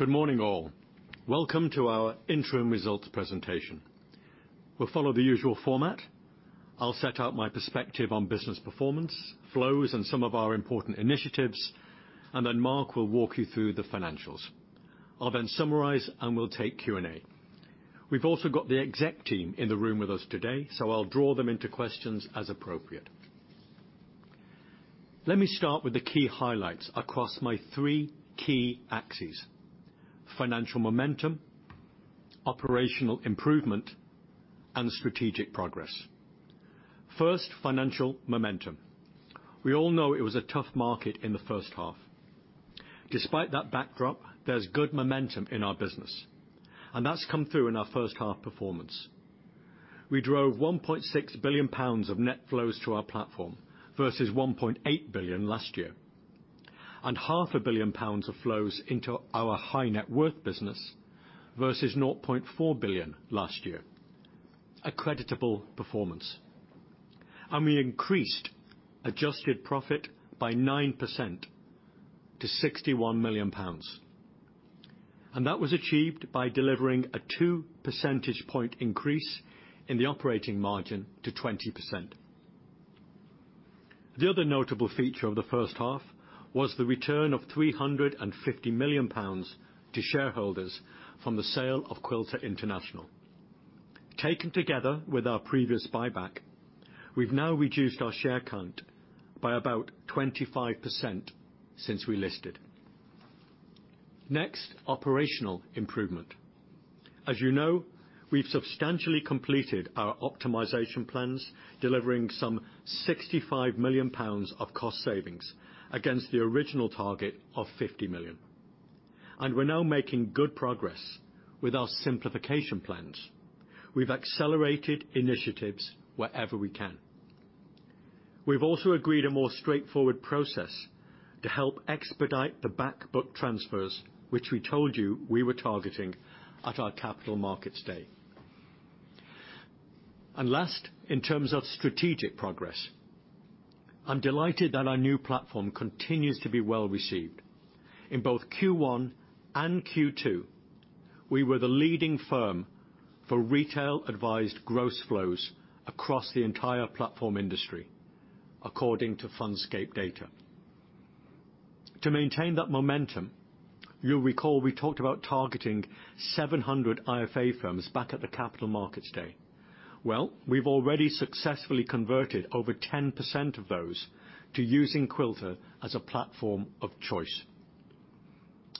Good morning all. Welcome to our interim results presentation. We'll follow the usual format. I'll set out my perspective on business performance, flows, and some of our important initiatives, and then Mark will walk you through the financials. I'll then summarize, and we'll take Q&A. We've also got the exec team in the room with us today, so I'll draw them into questions as appropriate. Let me start with the key highlights across my three key axes, financial momentum, operational improvement, and strategic progress. First, financial momentum. We all know it was a tough market in the first half. Despite that backdrop, there's good momentum in our business, and that's come through in our first half performance. We drove GBP 1.6 billion of net flows to our platform versus GBP 1.8 billion last year, and half a billion pounds of flows into our high net worth business versus 0.4 billion last year. A creditable performance. We increased adjusted profit by 9% to 61 million pounds. That was achieved by delivering a two percentage point increase in the operating margin to 20%. The other notable feature of the first half was the return of 350 million pounds to shareholders from the sale of Quilter International. Taken together with our previous buyback, we've now reduced our share count by about 25% since we listed. Next, operational improvement. As you know, we've substantially completed our optimization plans, delivering some GBP 65 million of cost savings against the original target of GBP 50 million. We're now making good progress with our simplification plans. We've accelerated initiatives wherever we can. We've also agreed a more straightforward process to help expedite the back book transfers, which we told you we were targeting at our Capital Markets Day. Last, in terms of strategic progress, I'm delighted that our new platform continues to be well-received. In both Q1 and Q2, we were the leading firm for retail advised gross flows across the entire platform industry, according to Fundscape data. To maintain that momentum, you'll recall we talked about targeting 700 IFA firms back at the Capital Markets Day. Well, we've already successfully converted over 10% of those to using Quilter as a platform of choice.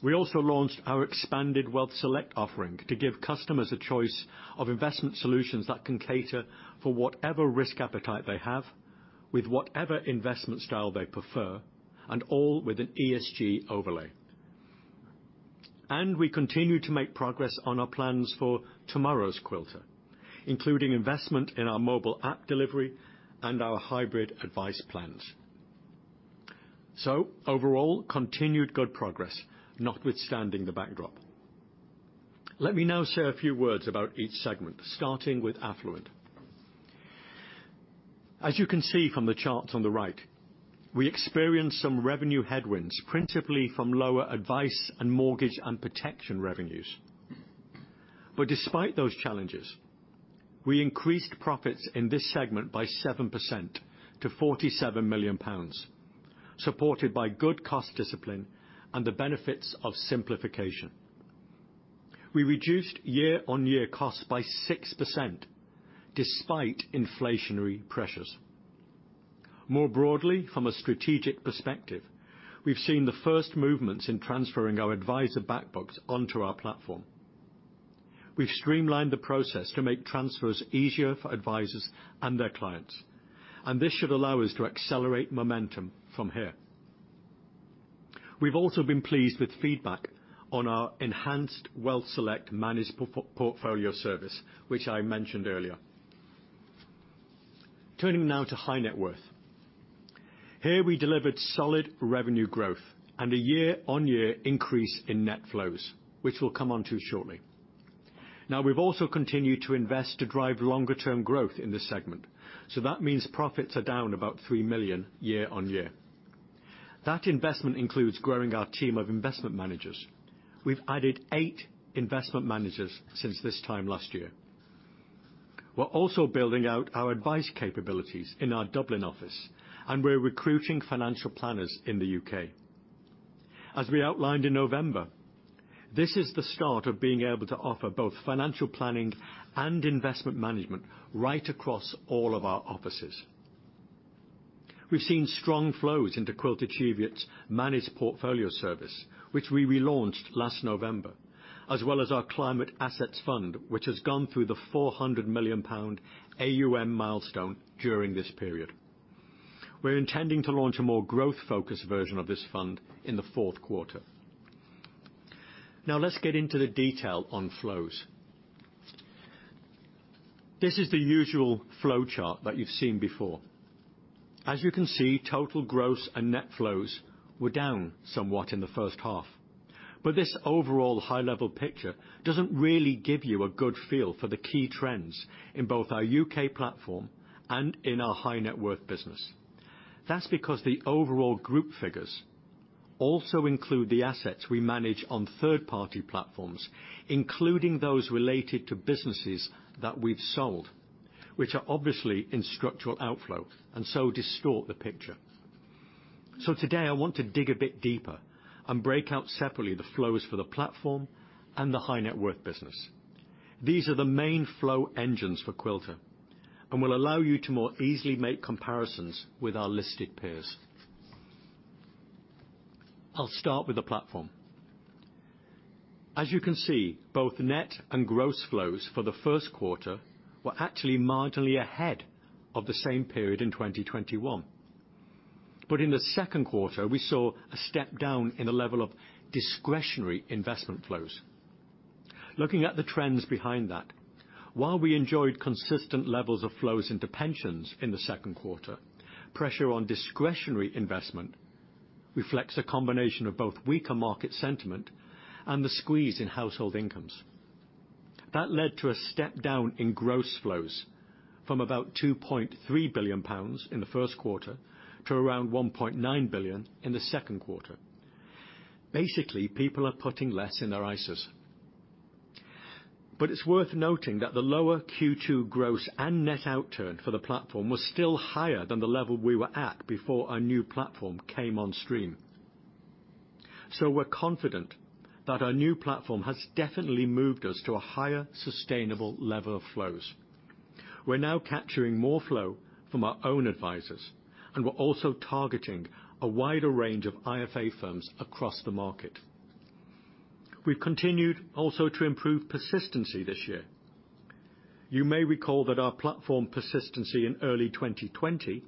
We also launched our expanded WealthSelect offering to give customers a choice of investment solutions that can cater for whatever risk appetite they have with whatever investment style they prefer, and all with an ESG overlay. We continue to make progress on our plans for tomorrow's Quilter, including investment in our mobile app delivery and our hybrid advice plans. Overall, continued good progress, notwithstanding the backdrop. Let me now say a few words about each segment, starting with affluent. As you can see from the chart on the right, we experienced some revenue headwinds, principally from lower advice and mortgage and protection revenues. Despite those challenges, we increased profits in this segment by 7% to GBP 47 million, supported by good cost discipline and the benefits of simplification. We reduced year-on-year costs by 6% despite inflationary pressures. More broadly, from a strategic perspective, we've seen the first movements in transferring our advisor back books onto our platform. We've streamlined the process to make transfers easier for advisors and their clients, and this should allow us to accelerate momentum from here. We've also been pleased with feedback on our enhanced WealthSelect managed portfolio service, which I mentioned earlier. Turning now to high net worth. Here we delivered solid revenue growth and a year-on-year increase in net flows, which we'll come onto shortly. We've also continued to invest to drive longer-term growth in this segment, so that means profits are down about 3 million year-on-year. That investment includes growing our team of investment managers. We've added eight investment managers since this time last year. We're also building out our advice capabilities in our Dublin office, and we're recruiting financial planners in the UK. As we outlined in November, this is the start of being able to offer both financial planning and investment management right across all of our offices. We've seen strong flows into Quilter Cheviot's managed portfolio service, which we relaunched last November, as well as our Climate Assets Fund, which has gone through the 400 million pound AUM milestone during this period. We're intending to launch a more growth-focused version of this fund in the fourth quarter. Now let's get into the detail on flows. This is the usual flow chart that you've seen before. As you can see, total gross and net flows were down somewhat in the first half. This overall high-level picture doesn't really give you a good feel for the key trends in both our UK platform and in our high-net-worth business. That's because the overall group figures also include the assets we manage on third-party platforms, including those related to businesses that we've sold, which are obviously in structural outflow and so distort the picture. Today, I want to dig a bit deeper and break out separately the flows for the platform and the high-net-worth business. These are the main flow engines for Quilter and will allow you to more easily make comparisons with our listed peers. I'll start with the platform. As you can see, both net and gross flows for the first quarter were actually marginally ahead of the same period in 2021. In the second quarter, we saw a step down in the level of discretionary investment flows. Looking at the trends behind that, while we enjoyed consistent levels of flows into pensions in the second quarter, pressure on discretionary investment reflects a combination of both weaker market sentiment and the squeeze in household incomes. That led to a step down in gross flows from about 2.3 billion pounds in the first quarter to around 1.9 billion in the second quarter. Basically, people are putting less in their ISAs. It's worth noting that the lower Q2 gross and net outturn for the platform was still higher than the level we were at before our new platform came on stream. We're confident that our new platform has definitely moved us to a higher sustainable level of flows. We're now capturing more flow from our own advisors, and we're also targeting a wider range of IFA firms across the market. We've continued also to improve persistency this year. You may recall that our platform persistency in early 2020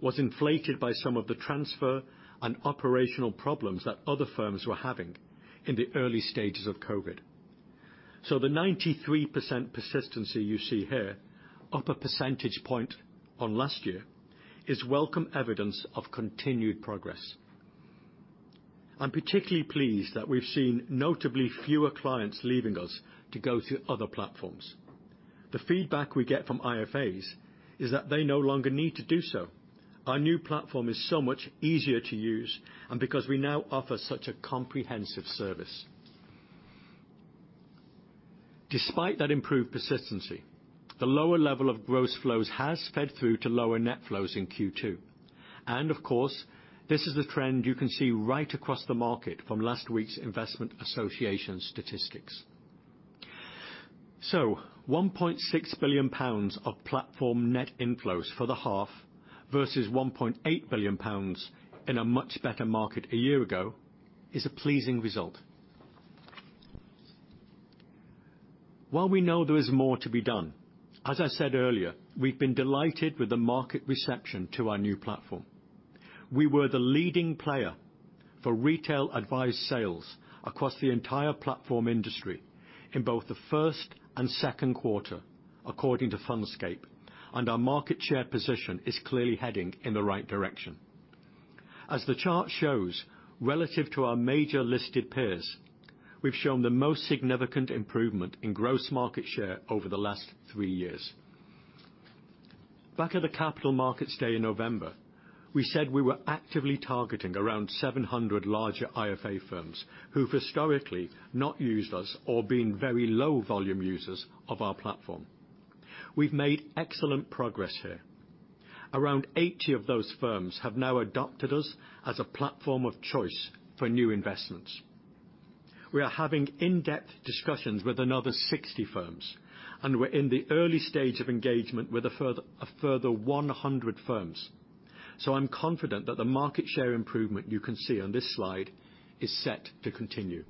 was inflated by some of the transfer and operational problems that other firms were having in the early stages of COVID. The 93% persistency you see here, up a percentage point on last year, is welcome evidence of continued progress. I'm particularly pleased that we've seen notably fewer clients leaving us to go to other platforms. The feedback we get from IFAs is that they no longer need to do so. Our new platform is so much easier to use, and because we now offer such a comprehensive service. Despite that improved persistency, the lower level of gross flows has fed through to lower net flows in Q2. Of course, this is the trend you can see right across the market from last week's Investment Association statistics. One point six billion pounds of platform net inflows for the half, versus 1.8 billion pounds in a much better market a year ago, is a pleasing result. While we know there is more to be done, as I said earlier, we've been delighted with the market reception to our new platform. We were the leading player for retail advised sales across the entire platform industry in both the first and second quarter, according to Fundscape, and our market share position is clearly heading in the right direction. As the chart shows, relative to our major listed peers, we've shown the most significant improvement in gross market share over the last 3 years. Back at the Capital Markets Day in November, we said we were actively targeting around 700 larger IFA firms who've historically not used us or been very low-volume users of our platform. We've made excellent progress here. Around 80 of those firms have now adopted us as a platform of choice for new investments. We are having in-depth discussions with another 60 firms, and we're in the early stage of engagement with a further 100 firms. I'm confident that the market share improvement you can see on this slide is set to continue.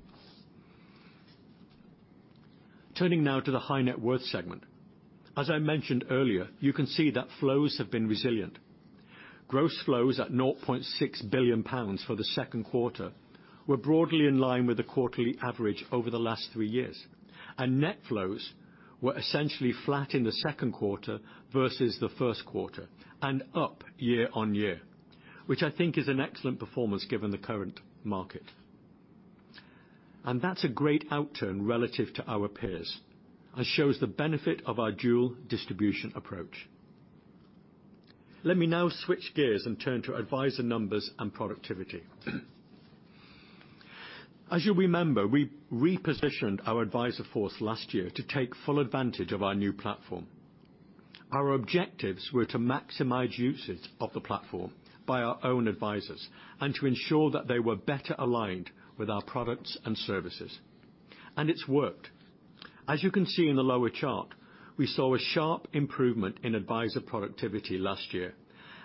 Turning now to the high-net-worth segment. As I mentioned earlier, you can see that flows have been resilient. Gross flows at 0.6 billion pounds for the second quarter were broadly in line with the quarterly average over the last 3 years. Net flows were essentially flat in the second quarter versus the first quarter and up year-on-year, which I think is an excellent performance given the current market. That's a great outturn relative to our peers and shows the benefit of our dual distribution approach. Let me now switch gears and turn to advisor numbers and productivity. As you remember, we repositioned our advisor force last year to take full advantage of our new platform. Our objectives were to maximize usage of the platform by our own advisors and to ensure that they were better aligned with our products and services. It's worked. As you can see in the lower chart, we saw a sharp improvement in advisor productivity last year,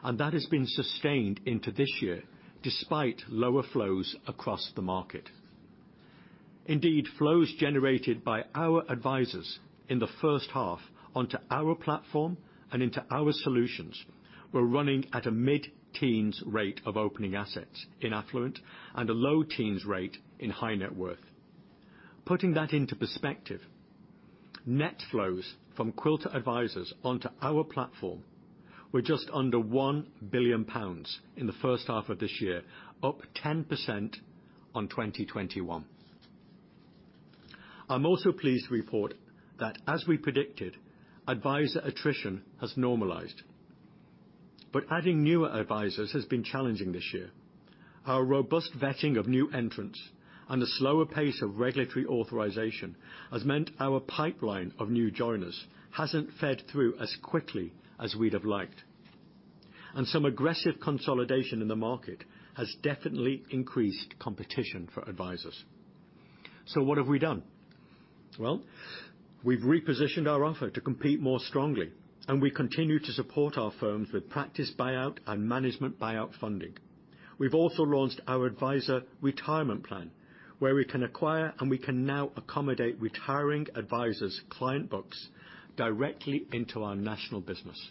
and that has been sustained into this year despite lower flows across the market. Indeed, flows generated by our advisors in the first half onto our platform and into our solutions were running at a mid-teens rate of opening assets in affluent and a low-teens rate in high-net-worth. Putting that into perspective, net flows from Quilter advisors onto our platform were just under 1 billion pounds in the first half of this year, up 10% on 2021. I'm also pleased to report that as we predicted, advisor attrition has normalized. Adding newer advisors has been challenging this year. Our robust vetting of new entrants and the slower pace of regulatory authorization has meant our pipeline of new joiners hasn't fed through as quickly as we'd have liked. Some aggressive consolidation in the market has definitely increased competition for advisors. What have we done? Well, we've repositioned our offer to compete more strongly, and we continue to support our firms with practice buyout and management buyout funding. We've also launched our advisor retirement plan, where we can acquire and we can now accommodate retiring advisors' client books directly into our national business.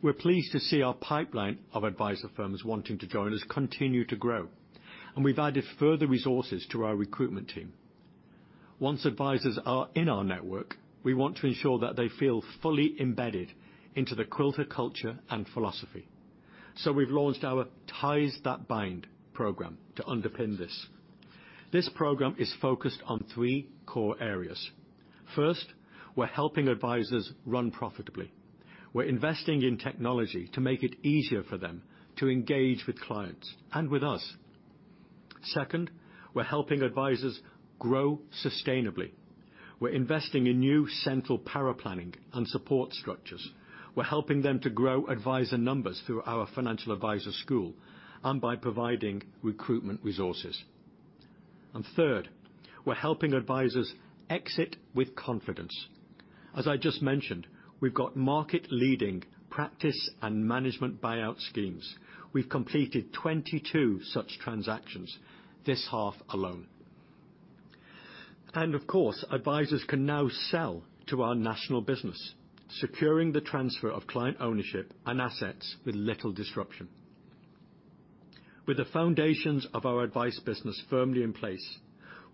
We're pleased to see our pipeline of advisor firms wanting to join us continue to grow, and we've added further resources to our recruitment team. Once advisors are in our network, we want to ensure that they feel fully embedded into the Quilter culture and philosophy. We've launched our Ties That Bind program to underpin this. This program is focused on three core areas. First, we're helping advisors run profitably. We're investing in technology to make it easier for them to engage with clients and with us. Second, we're helping advisors grow sustainably. We're investing in new central paraplanning and support structures. We're helping them to grow advisor numbers through our financial advisor school and by providing recruitment resources. Third, we're helping advisors exit with confidence. As I just mentioned, we've got market-leading practice and management buyout schemes. We've completed 22 such transactions this half alone. Of course, advisors can now sell to our national business, securing the transfer of client ownership and assets with little disruption. With the foundations of our advice business firmly in place,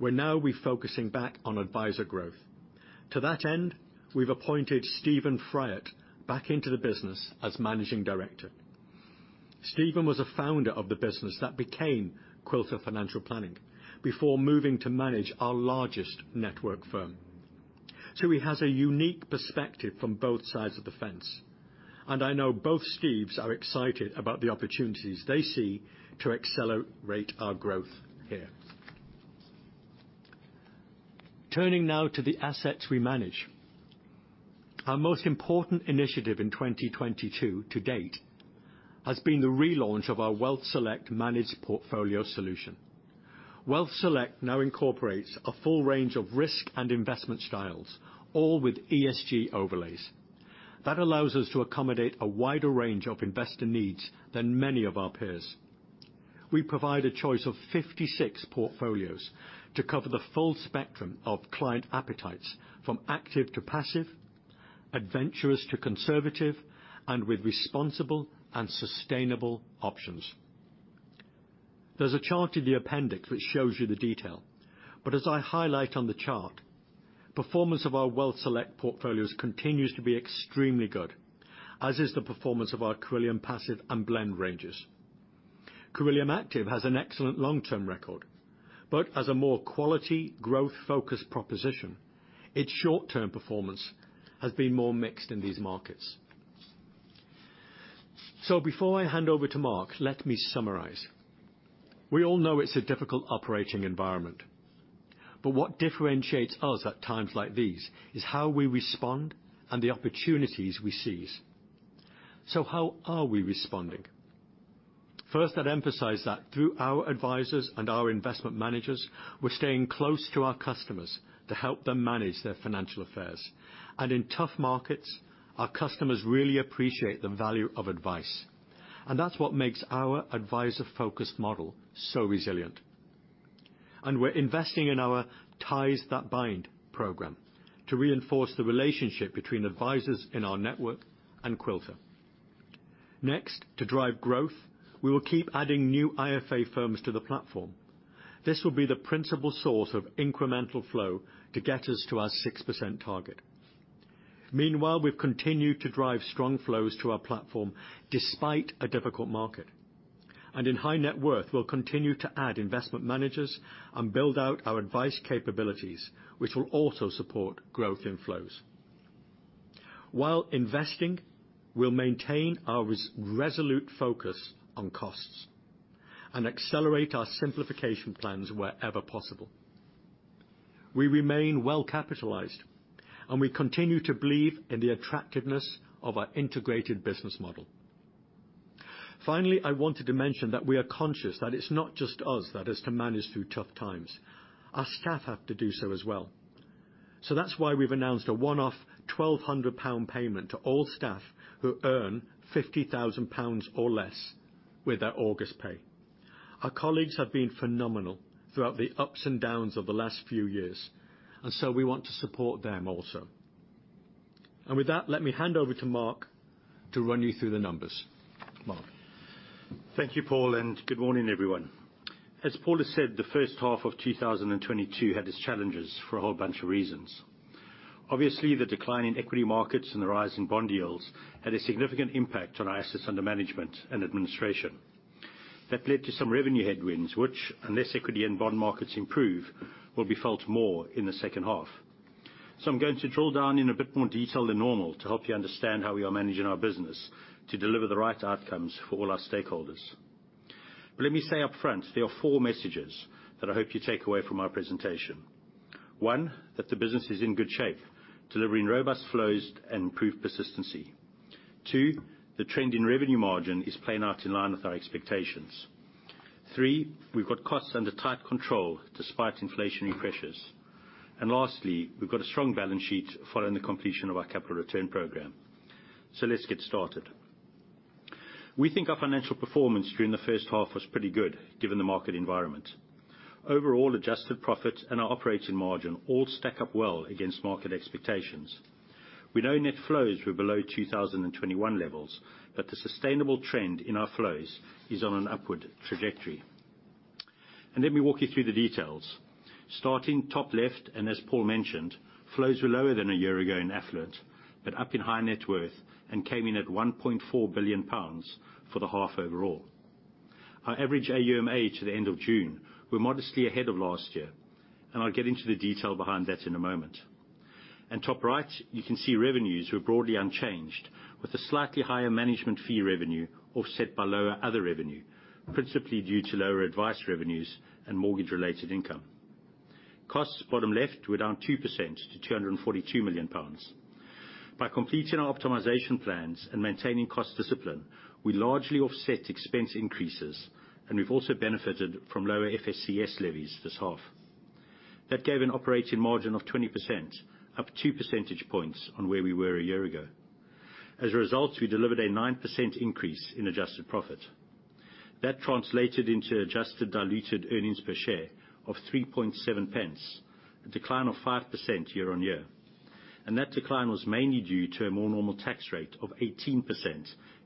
we're now refocusing back on advisor growth. To that end, we've appointed Stephen Fryett back into the business as Managing Director. Stephen was a founder of the business that became Quilter Financial Planning before moving to manage our largest network firm. He has a unique perspective from both sides of the fence, and I know both Steves are excited about the opportunities they see to accelerate our growth here. Turning now to the assets we manage. Our most important initiative in 2022 to date has been the relaunch of our WealthSelect managed portfolio solution. WealthSelect now incorporates a full range of risk and investment styles, all with ESG overlays. That allows us to accommodate a wider range of investor needs than many of our peers. We provide a choice of 56 portfolios to cover the full spectrum of client appetites, from active to passive, adventurous to conservative, and with responsible and sustainable options. There's a chart in the appendix which shows you the detail, but as I highlight on the chart, performance of our WealthSelect portfolios continues to be extremely good, as is the performance of our Cirilium passive and blend ranges. Cirilium Active has an excellent long-term record, but as a more quality, growth-focused proposition, its short-term performance has been more mixed in these markets. Before I hand over to Mark, let me summarize. We all know it's a difficult operating environment, but what differentiates us at times like these is how we respond and the opportunities we seize. How are we responding? First, I'd emphasize that through our advisors and our investment managers, we're staying close to our customers to help them manage their financial affairs. In tough markets, our customers really appreciate the value of advice. That's what makes our advisor-focused model so resilient. We're investing in our Ties That Bind program to reinforce the relationship between advisors in our network and Quilter. Next, to drive growth, we will keep adding new IFA firms to the platform. This will be the principal source of incremental flow to get us to our 6% target. Meanwhile, we've continued to drive strong flows to our platform despite a difficult market. In high net worth, we'll continue to add investment managers and build out our advice capabilities, which will also support growth inflows. While investing, we'll maintain our resolute focus on costs and accelerate our simplification plans wherever possible. We remain well-capitalized, and we continue to believe in the attractiveness of our integrated business model. Finally, I wanted to mention that we are conscious that it's not just us that has to manage through tough times. Our staff have to do so as well. That's why we've announced a one-off 1,200 pound payment to all staff who earn 50,000 pounds or less with their August pay. Our colleagues have been phenomenal throughout the ups and downs of the last few years, and so we want to support them also. With that, let me hand over to Mark to run you through the numbers. Mark. Thank you, Paul, and good morning, everyone. As Paul has said, the first half of 2022 had its challenges for a whole bunch of reasons. Obviously, the decline in equity markets and the rise in bond yields had a significant impact on our assets under management and administration. That led to some revenue headwinds which, unless equity and bond markets improve, will be felt more in the second half. I'm going to drill down in a bit more detail than normal to help you understand how we are managing our business to deliver the right outcomes for all our stakeholders. Let me say up front, there are four messages that I hope you take away from our presentation. One, that the business is in good shape, delivering robust flows and improved persistency. Two, the trend in revenue margin is playing out in line with our expectations. Three, we've got costs under tight control despite inflationary pressures. Lastly, we've got a strong balance sheet following the completion of our capital return program. Let's get started. We think our financial performance during the first half was pretty good given the market environment. Overall, adjusted profit and our operating margin all stack up well against market expectations. We know net flows were below 2021 levels, but the sustainable trend in our flows is on an upward trajectory. Let me walk you through the details. Starting top left, and as Paul mentioned, flows were lower than a year ago in affluent, but up in high net worth and came in at 1.4 billion pounds for the half overall. Our average AUMA to the end of June were modestly ahead of last year, and I'll get into the detail behind that in a moment. Top right, you can see revenues were broadly unchanged with a slightly higher management fee revenue offset by lower other revenue, principally due to lower advice revenues and mortgage-related income. Costs, bottom left, were down 2% to 242 million pounds. By completing our optimization plans and maintaining cost discipline, we largely offset expense increases, and we've also benefited from lower FSCS levies this half. That gave an operating margin of 20%, up 2 percentage points on where we were a year ago. As a result, we delivered a 9% increase in adjusted profit. That translated into adjusted diluted earnings per share of 3.7 pence, a decline of 5% year-over-year. That decline was mainly due to a more normal tax rate of 18%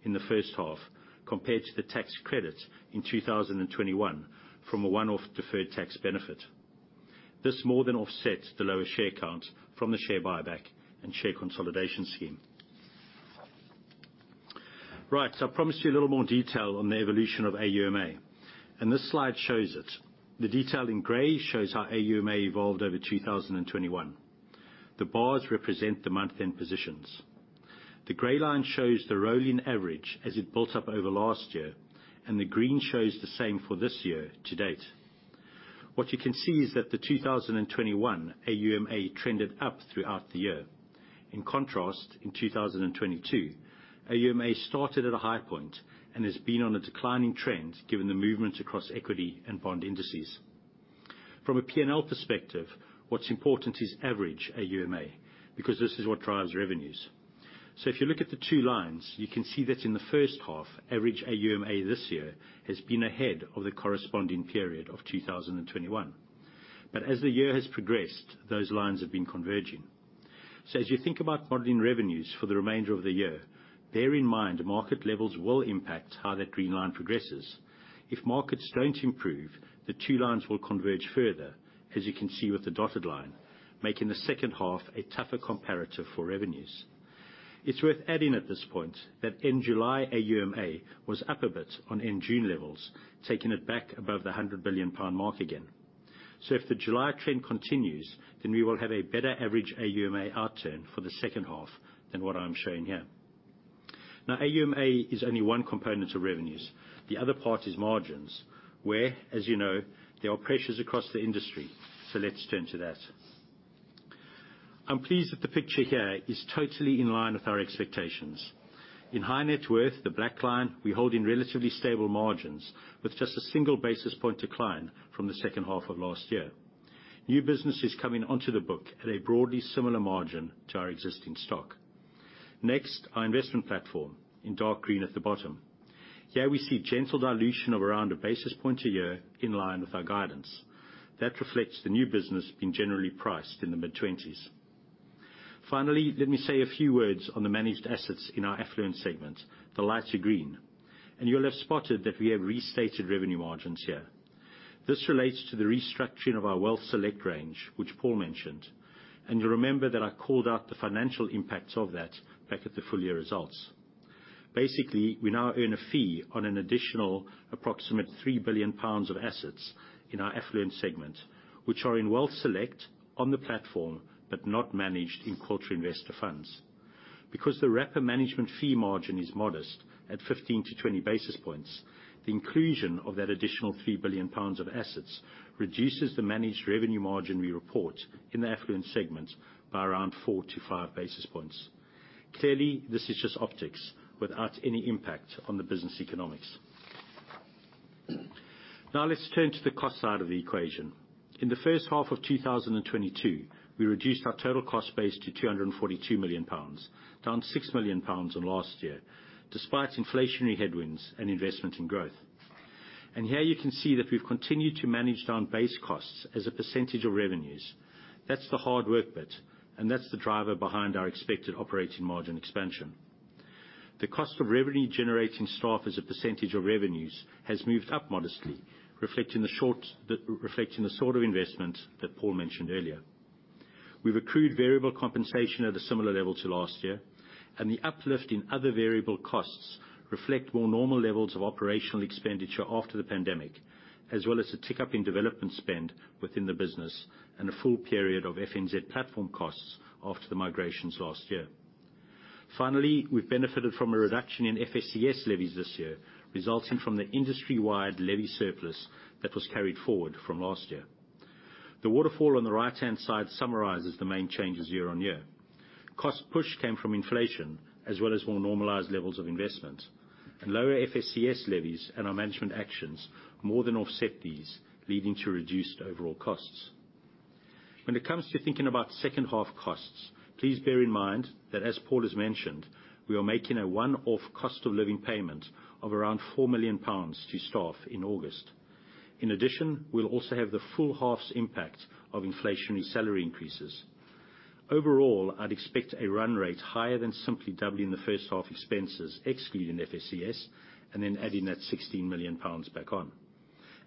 in the first half compared to the tax credit in 2021 from a one-off deferred tax benefit. This more than offsets the lower share count from the share buyback and share consolidation scheme. Right. I promised you a little more detail on the evolution of AUMA, and this slide shows it. The detail in gray shows how AUMA evolved over 2021. The bars represent the month-end positions. The gray line shows the rolling average as it built up over last year, and the green shows the same for this year to date. What you can see is that the 2021 AUMA trended up throughout the year. In contrast, in 2022, AUMA started at a high point and has been on a declining trend given the movement across equity and bond indices. From a P&L perspective, what's important is average AUMA because this is what drives revenues. If you look at the two lines, you can see that in the first half, average AUMA this year has been ahead of the corresponding period of 2021. As the year has progressed, those lines have been converging. As you think about modeling revenues for the remainder of the year, bear in mind market levels will impact how that green line progresses. If markets don't improve, the two lines will converge further, as you can see with the dotted line, making the second half a tougher comparator for revenues. It's worth adding at this point that end July AUMA was up a bit on end June levels, taking it back above the 100 billion pound mark again. If the July trend continues, then we will have a better average AUMA outturn for the second half than what I'm showing here. Now, AUMA is only one component of revenues. The other part is margins, where, as you know, there are pressures across the industry. Let's turn to that. I'm pleased that the picture here is totally in line with our expectations. In high net worth, the black line, we hold in relatively stable margins with just a single basis point decline from the second half of last year. New business is coming onto the book at a broadly similar margin to our existing stock. Next, our investment platform in dark green at the bottom. Here, we see gentle dilution of around a basis point a year in line with our guidance. That reflects the new business being generally priced in the mid-twenties. Finally, let me say a few words on the managed assets in our affluent segment, the lighter green. You'll have spotted that we have restated revenue margins here. This relates to the restructuring of our WealthSelect range, which Paul mentioned. You'll remember that I called out the financial impacts of that back at the full-year results. Basically, we now earn a fee on an additional approximately 3 billion pounds of assets in our affluent segment, which are in WealthSelect on the platform, but not managed in Quilter Investors funds. Because the wrapper management fee margin is modest at 15-20 basis points, the inclusion of that additional 3 billion pounds of assets reduces the managed revenue margin we report in the affluent segment by around 4-5 basis points. Clearly, this is just optics without any impact on the business economics. Now, let's turn to the cost side of the equation. In the first half of 2022, we reduced our total cost base to 242 million pounds, down 6 million pounds from last year, despite inflationary headwinds and investment in growth. Here you can see that we've continued to manage down base costs as a percentage of revenues. That's the hard work bit, and that's the driver behind our expected operating margin expansion. The cost of revenue generating staff as a percentage of revenues has moved up modestly, reflecting the sort of investment that Paul mentioned earlier. We've accrued variable compensation at a similar level to last year, and the uplift in other variable costs reflect more normal levels of operational expenditure after the pandemic, as well as a tick-up in development spend within the business and a full period of FNZ platform costs after the migrations last year. Finally, we've benefited from a reduction in FSCS levies this year, resulting from the industry-wide levy surplus that was carried forward from last year. The waterfall on the right-hand side summarizes the main changes year-on-year. Cost push came from inflation as well as more normalized levels of investment, and lower FSCS levies and our management actions more than offset these, leading to reduced overall costs. When it comes to thinking about second half costs, please bear in mind that, as Paul has mentioned, we are making a one-off cost of living payment of around 4 million pounds to staff in August. In addition, we'll also have the full half's impact of inflationary salary increases. Overall, I'd expect a run rate higher than simply doubling the first half expenses excluding FSCS, and then adding that 16 million pounds back on.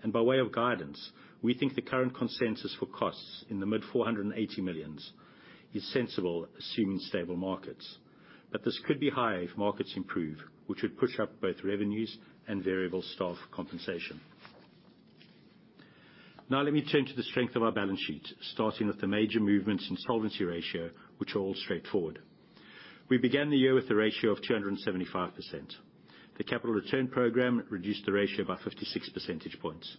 By way of guidance, we think the current consensus for costs in the mid 480 millions is sensible, assuming stable markets. This could be high if markets improve, which would push up both revenues and variable staff compensation. Now let me turn to the strength of our balance sheet, starting with the major movements in solvency ratio, which are all straightforward. We began the year with a ratio of 275%. The capital return program reduced the ratio by 56 percentage points.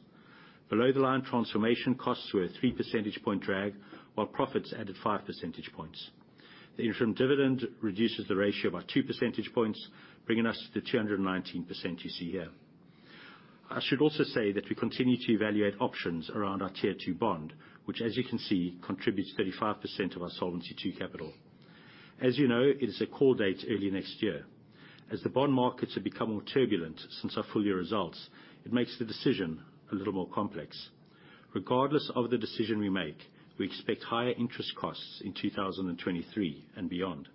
Below the line transformation costs were a 3 percentage point drag, while profits added 5 percentage points. The interim dividend reduces the ratio by 2 percentage points, bringing us to the 219% you see here. I should also say that we continue to evaluate options around our Tier 2 bond, which, as you can see, contributes 35% of our Solvency II capital. As you know, it is a call date early next year. As the bond markets have become more turbulent since our full year results, it makes the decision a little more complex. Regardless of the decision we make, we expect higher interest costs in 2023 and beyond.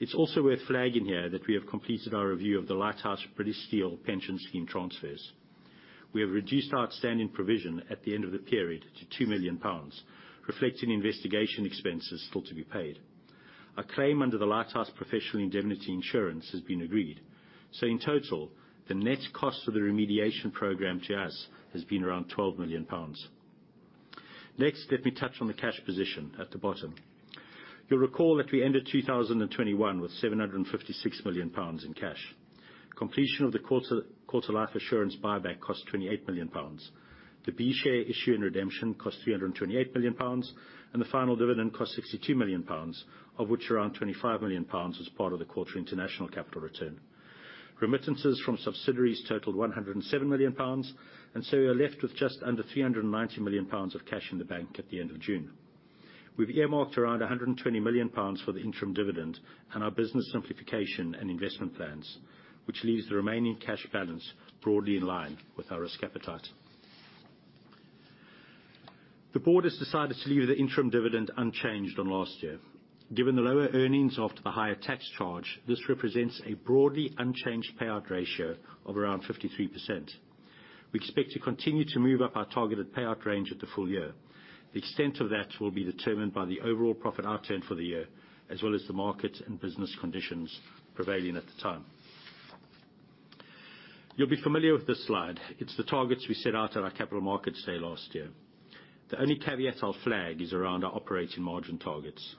It's also worth flagging here that we have completed our review of the Lighthouse British Steel pension scheme transfers. We have reduced our outstanding provision at the end of the period to 2 million pounds, reflecting investigation expenses still to be paid. A claim under the Lighthouse professional indemnity insurance has been agreed. In total, the net cost of the remediation program to us has been around 12 million pounds. Next, let me touch on the cash position at the bottom. You'll recall that we ended 2021 with GBP 756 million in cash. Completion of the Quilter Life Assurance buyback cost GBP 28 million. The B share issue and redemption cost GBP 328 million, and the final dividend cost GBP 62 million, of which around GBP 25 million was part of the Quilter International capital return. Remittances from subsidiaries totaled GBP 107 million, and so we are left with just under GBP 390 million of cash in the bank at the end of June. We've earmarked around 120 million pounds for the interim dividend and our business simplification and investment plans, which leaves the remaining cash balance broadly in line with our risk appetite. The board has decided to leave the interim dividend unchanged on last year. Given the lower earnings after the higher tax charge, this represents a broadly unchanged payout ratio of around 53%. We expect to continue to move up our targeted payout range at the full year. The extent of that will be determined by the overall profit outturn for the year, as well as the market and business conditions prevailing at the time. You'll be familiar with this slide. It's the targets we set out at our Capital Markets Day last year. The only caveat I'll flag is around our operating margin targets.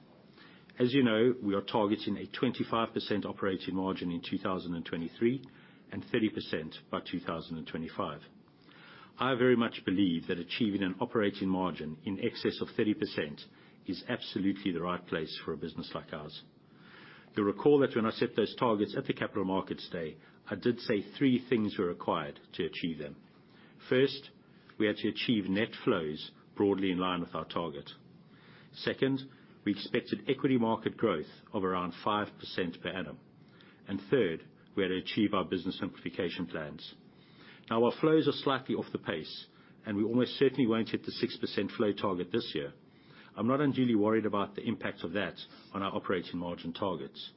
As you know, we are targeting a 25% operating margin in 2023, and 30% by 2025. I very much believe that achieving an operating margin in excess of 30% is absolutely the right place for a business like ours. You'll recall that when I set those targets at the Capital Markets Day, I did say three things were required to achieve them. First, we had to achieve net flows broadly in line with our target. Second, we expected equity market growth of around 5% per annum. Third, we had to achieve our business simplification plans. Now, our flows are slightly off the pace, and we almost certainly won't hit the 6% flow target this year. I'm not unduly worried about the impact of that on our operating margin targets.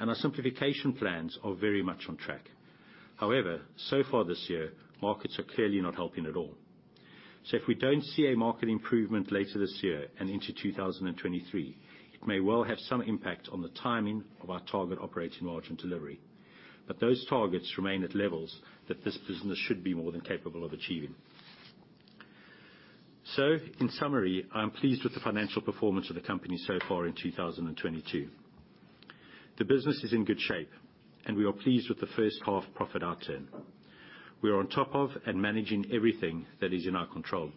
Our simplification plans are very much on track. However, so far this year, markets are clearly not helping at all. If we don't see a market improvement later this year and into 2023, it may well have some impact on the timing of our target operating margin delivery. Those targets remain at levels that this business should be more than capable of achieving. In summary, I am pleased with the financial performance of the company so far in 2022. The business is in good shape, and we are pleased with the first half profit outturn. We are on top of and managing everything that is in our control.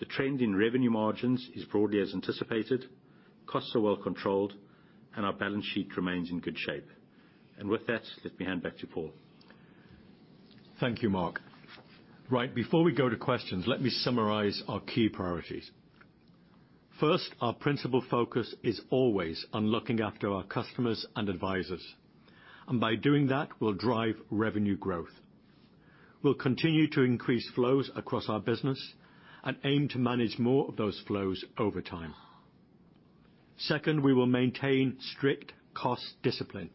The trend in revenue margins is broadly as anticipated. Costs are well controlled. Our balance sheet remains in good shape. With that, let me hand back to Paul. Thank you, Mark. Right, before we go to questions, let me summarize our key priorities. First, our principal focus is always on looking after our customers and advisors. By doing that, we'll drive revenue growth. We'll continue to increase flows across our business and aim to manage more of those flows over time. Second, we will maintain strict cost discipline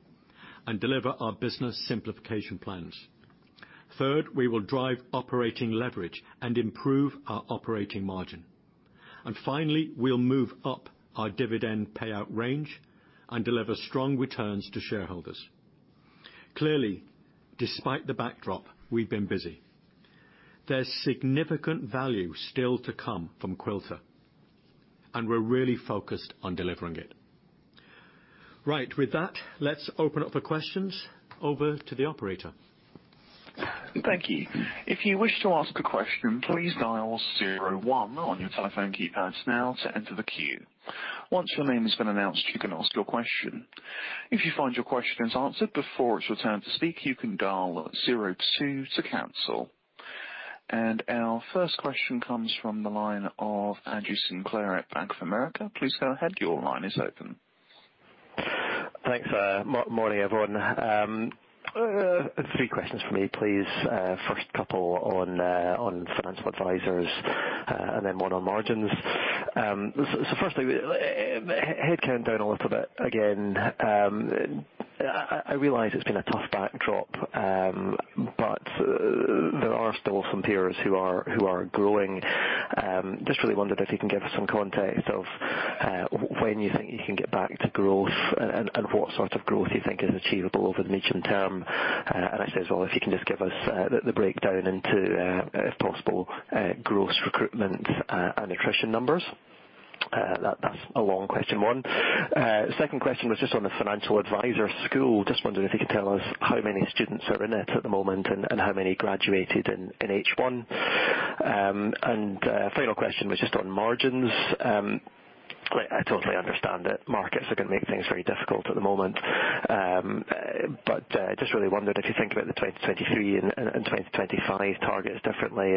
and deliver our business simplification plans. Third, we will drive operating leverage and improve our operating margin. Finally, we'll move up our dividend payout range and deliver strong returns to shareholders. Clearly, despite the backdrop, we've been busy. There's significant value still to come from Quilter, and we're really focused on delivering it. Right. With that, let's open up for questions. Over to the operator. Thank you. If you wish to ask a question, please dial zero one on your telephone keypads now to enter the queue. Once your name has been announced, you can ask your question. If you find your question is answered before it's your turn to speak, you can dial zero two to cancel. Our first question comes from the line of Andrew Sinclair at Bank of America. Please go ahead. Your line is open. Thanks. Morning, everyone. Three questions for me, please. First couple on financial advisors, and then one on margins. Firstly, headcount down a little bit again. I realize it's been a tough backdrop, but there are still some peers who are growing. Just really wondered if you can give us some context of when you think you can get back to growth and what sort of growth you think is achievable over the medium term. And I suppose as well, if you can just give us the breakdown into, if possible, growth, recruitment, and attrition numbers. That's a long question one. Second question was just on the financial advisor school. Just wondering if you could tell us how many students are in it at the moment and how many graduated in H1. Final question was just on margins. I totally understand that markets are gonna make things very difficult at the moment. Just really wondered if you think about the 2023 and 2025 targets differently.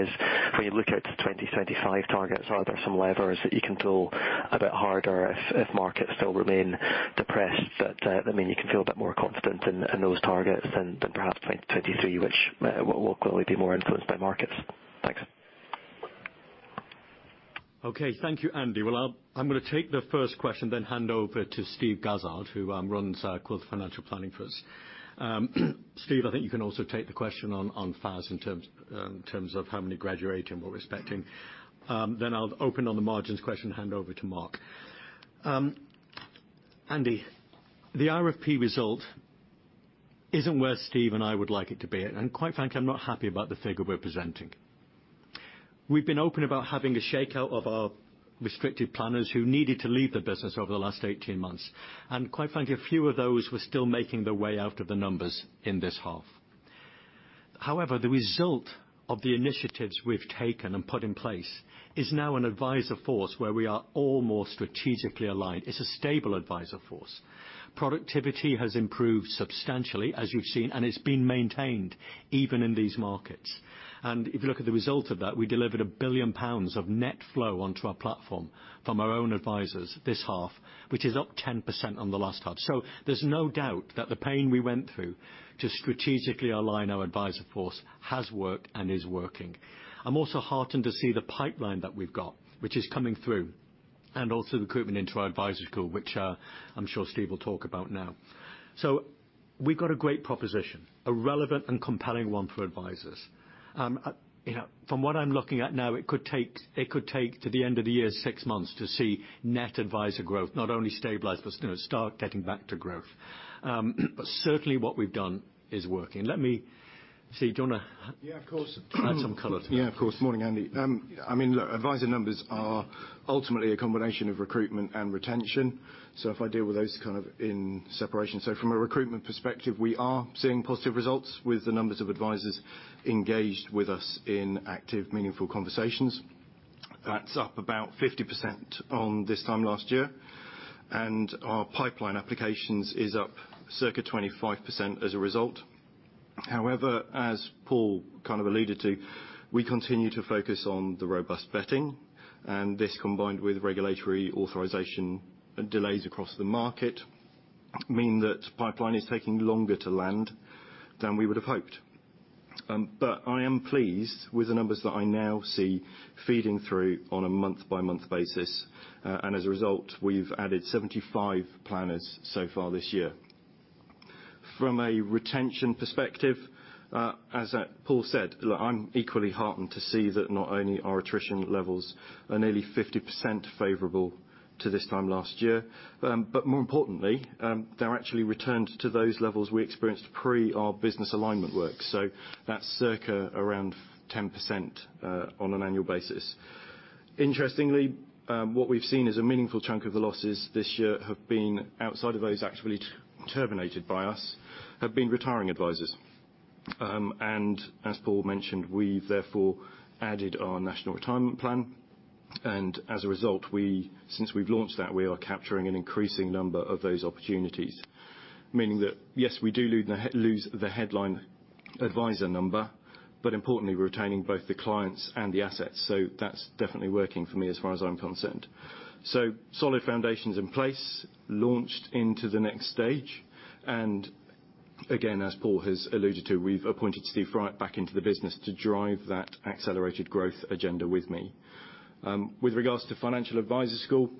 When you look at 2025 targets, are there some levers that you can pull a bit harder if markets still remain depressed? I mean, you can feel a bit more confident in those targets than perhaps 2023, which will clearly be more influenced by markets. Thanks. Okay. Thank you, Andy. Well, I'm gonna take the first question then hand over to Steve Gazard, who runs Quilter Financial Planning for us. Steve, I think you can also take the question on FAS in terms of how many graduates and what we're expecting. Then I'll open on the margins question, hand over to Mark. Andy, the RFP result isn't where Steve and I would like it to be, and quite frankly, I'm not happy about the figure we're presenting. We've been open about having a shakeout of our restricted planners who needed to leave the business over the last 18 months, and quite frankly, a few of those were still making their way out of the numbers in this half. However, the result of the initiatives we've taken and put in place is now an advisor force where we are all more strategically aligned. It's a stable advisor force. Productivity has improved substantially, as you've seen, and it's been maintained even in these markets. If you look at the result of that, we delivered 1 billion pounds of net flow onto our platform from our own advisors this half, which is up 10% on the last half. There's no doubt that the pain we went through to strategically align our advisor force has worked and is working. I'm also heartened to see the pipeline that we've got, which is coming through, and also the recruitment into our advisory school, which, I'm sure Steve will talk about now. We've got a great proposition, a relevant and compelling one for advisors. You know, from what I'm looking at now, it could take to the end of the year, six months to see net advisor growth, not only stabilize but, you know, start getting back to growth. Certainly what we've done is working. Steve, do you wanna- Yeah, of course. Add some color to that. Yeah, of course. Morning, Andy. I mean, look, advisor numbers are ultimately a combination of recruitment and retention. If I deal with those kind of separately. From a recruitment perspective, we are seeing positive results with the numbers of advisors engaged with us in active, meaningful conversations. That's up about 50% at this time last year, and our pipeline applications is up circa 25% as a result. However, as Paul kind of alluded to, we continue to focus on the robust vetting, and this combined with regulatory authorization delays across the market mean that pipeline is taking longer to land than we would have hoped. I am pleased with the numbers that I now see feeding through on a month-by-month basis, and as a result, we've added 75 planners so far this year. From a retention perspective, as Paul said, look, I'm equally heartened to see that not only are attrition levels nearly 50% favorable to this time last year, but more importantly, they actually returned to those levels we experienced pre our business alignment work, so that's circa around 10%, on an annual basis. Interestingly, what we've seen is a meaningful chunk of the losses this year have been outside of those actually terminated by us, have been retiring advisors. As Paul mentioned, we therefore added our national retirement plan. As a result, since we've launched that, we are capturing an increasing number of those opportunities. Meaning that, yes, we do lose the headline Advisor number. Importantly, retaining both the clients and the assets. That's definitely working for me as far as I'm concerned. Solid foundations in place, launched into the next stage. Again, as Paul has alluded to, we've appointed Steve Fryett back into the business to drive that accelerated growth agenda with me. With regards to financial advisor school,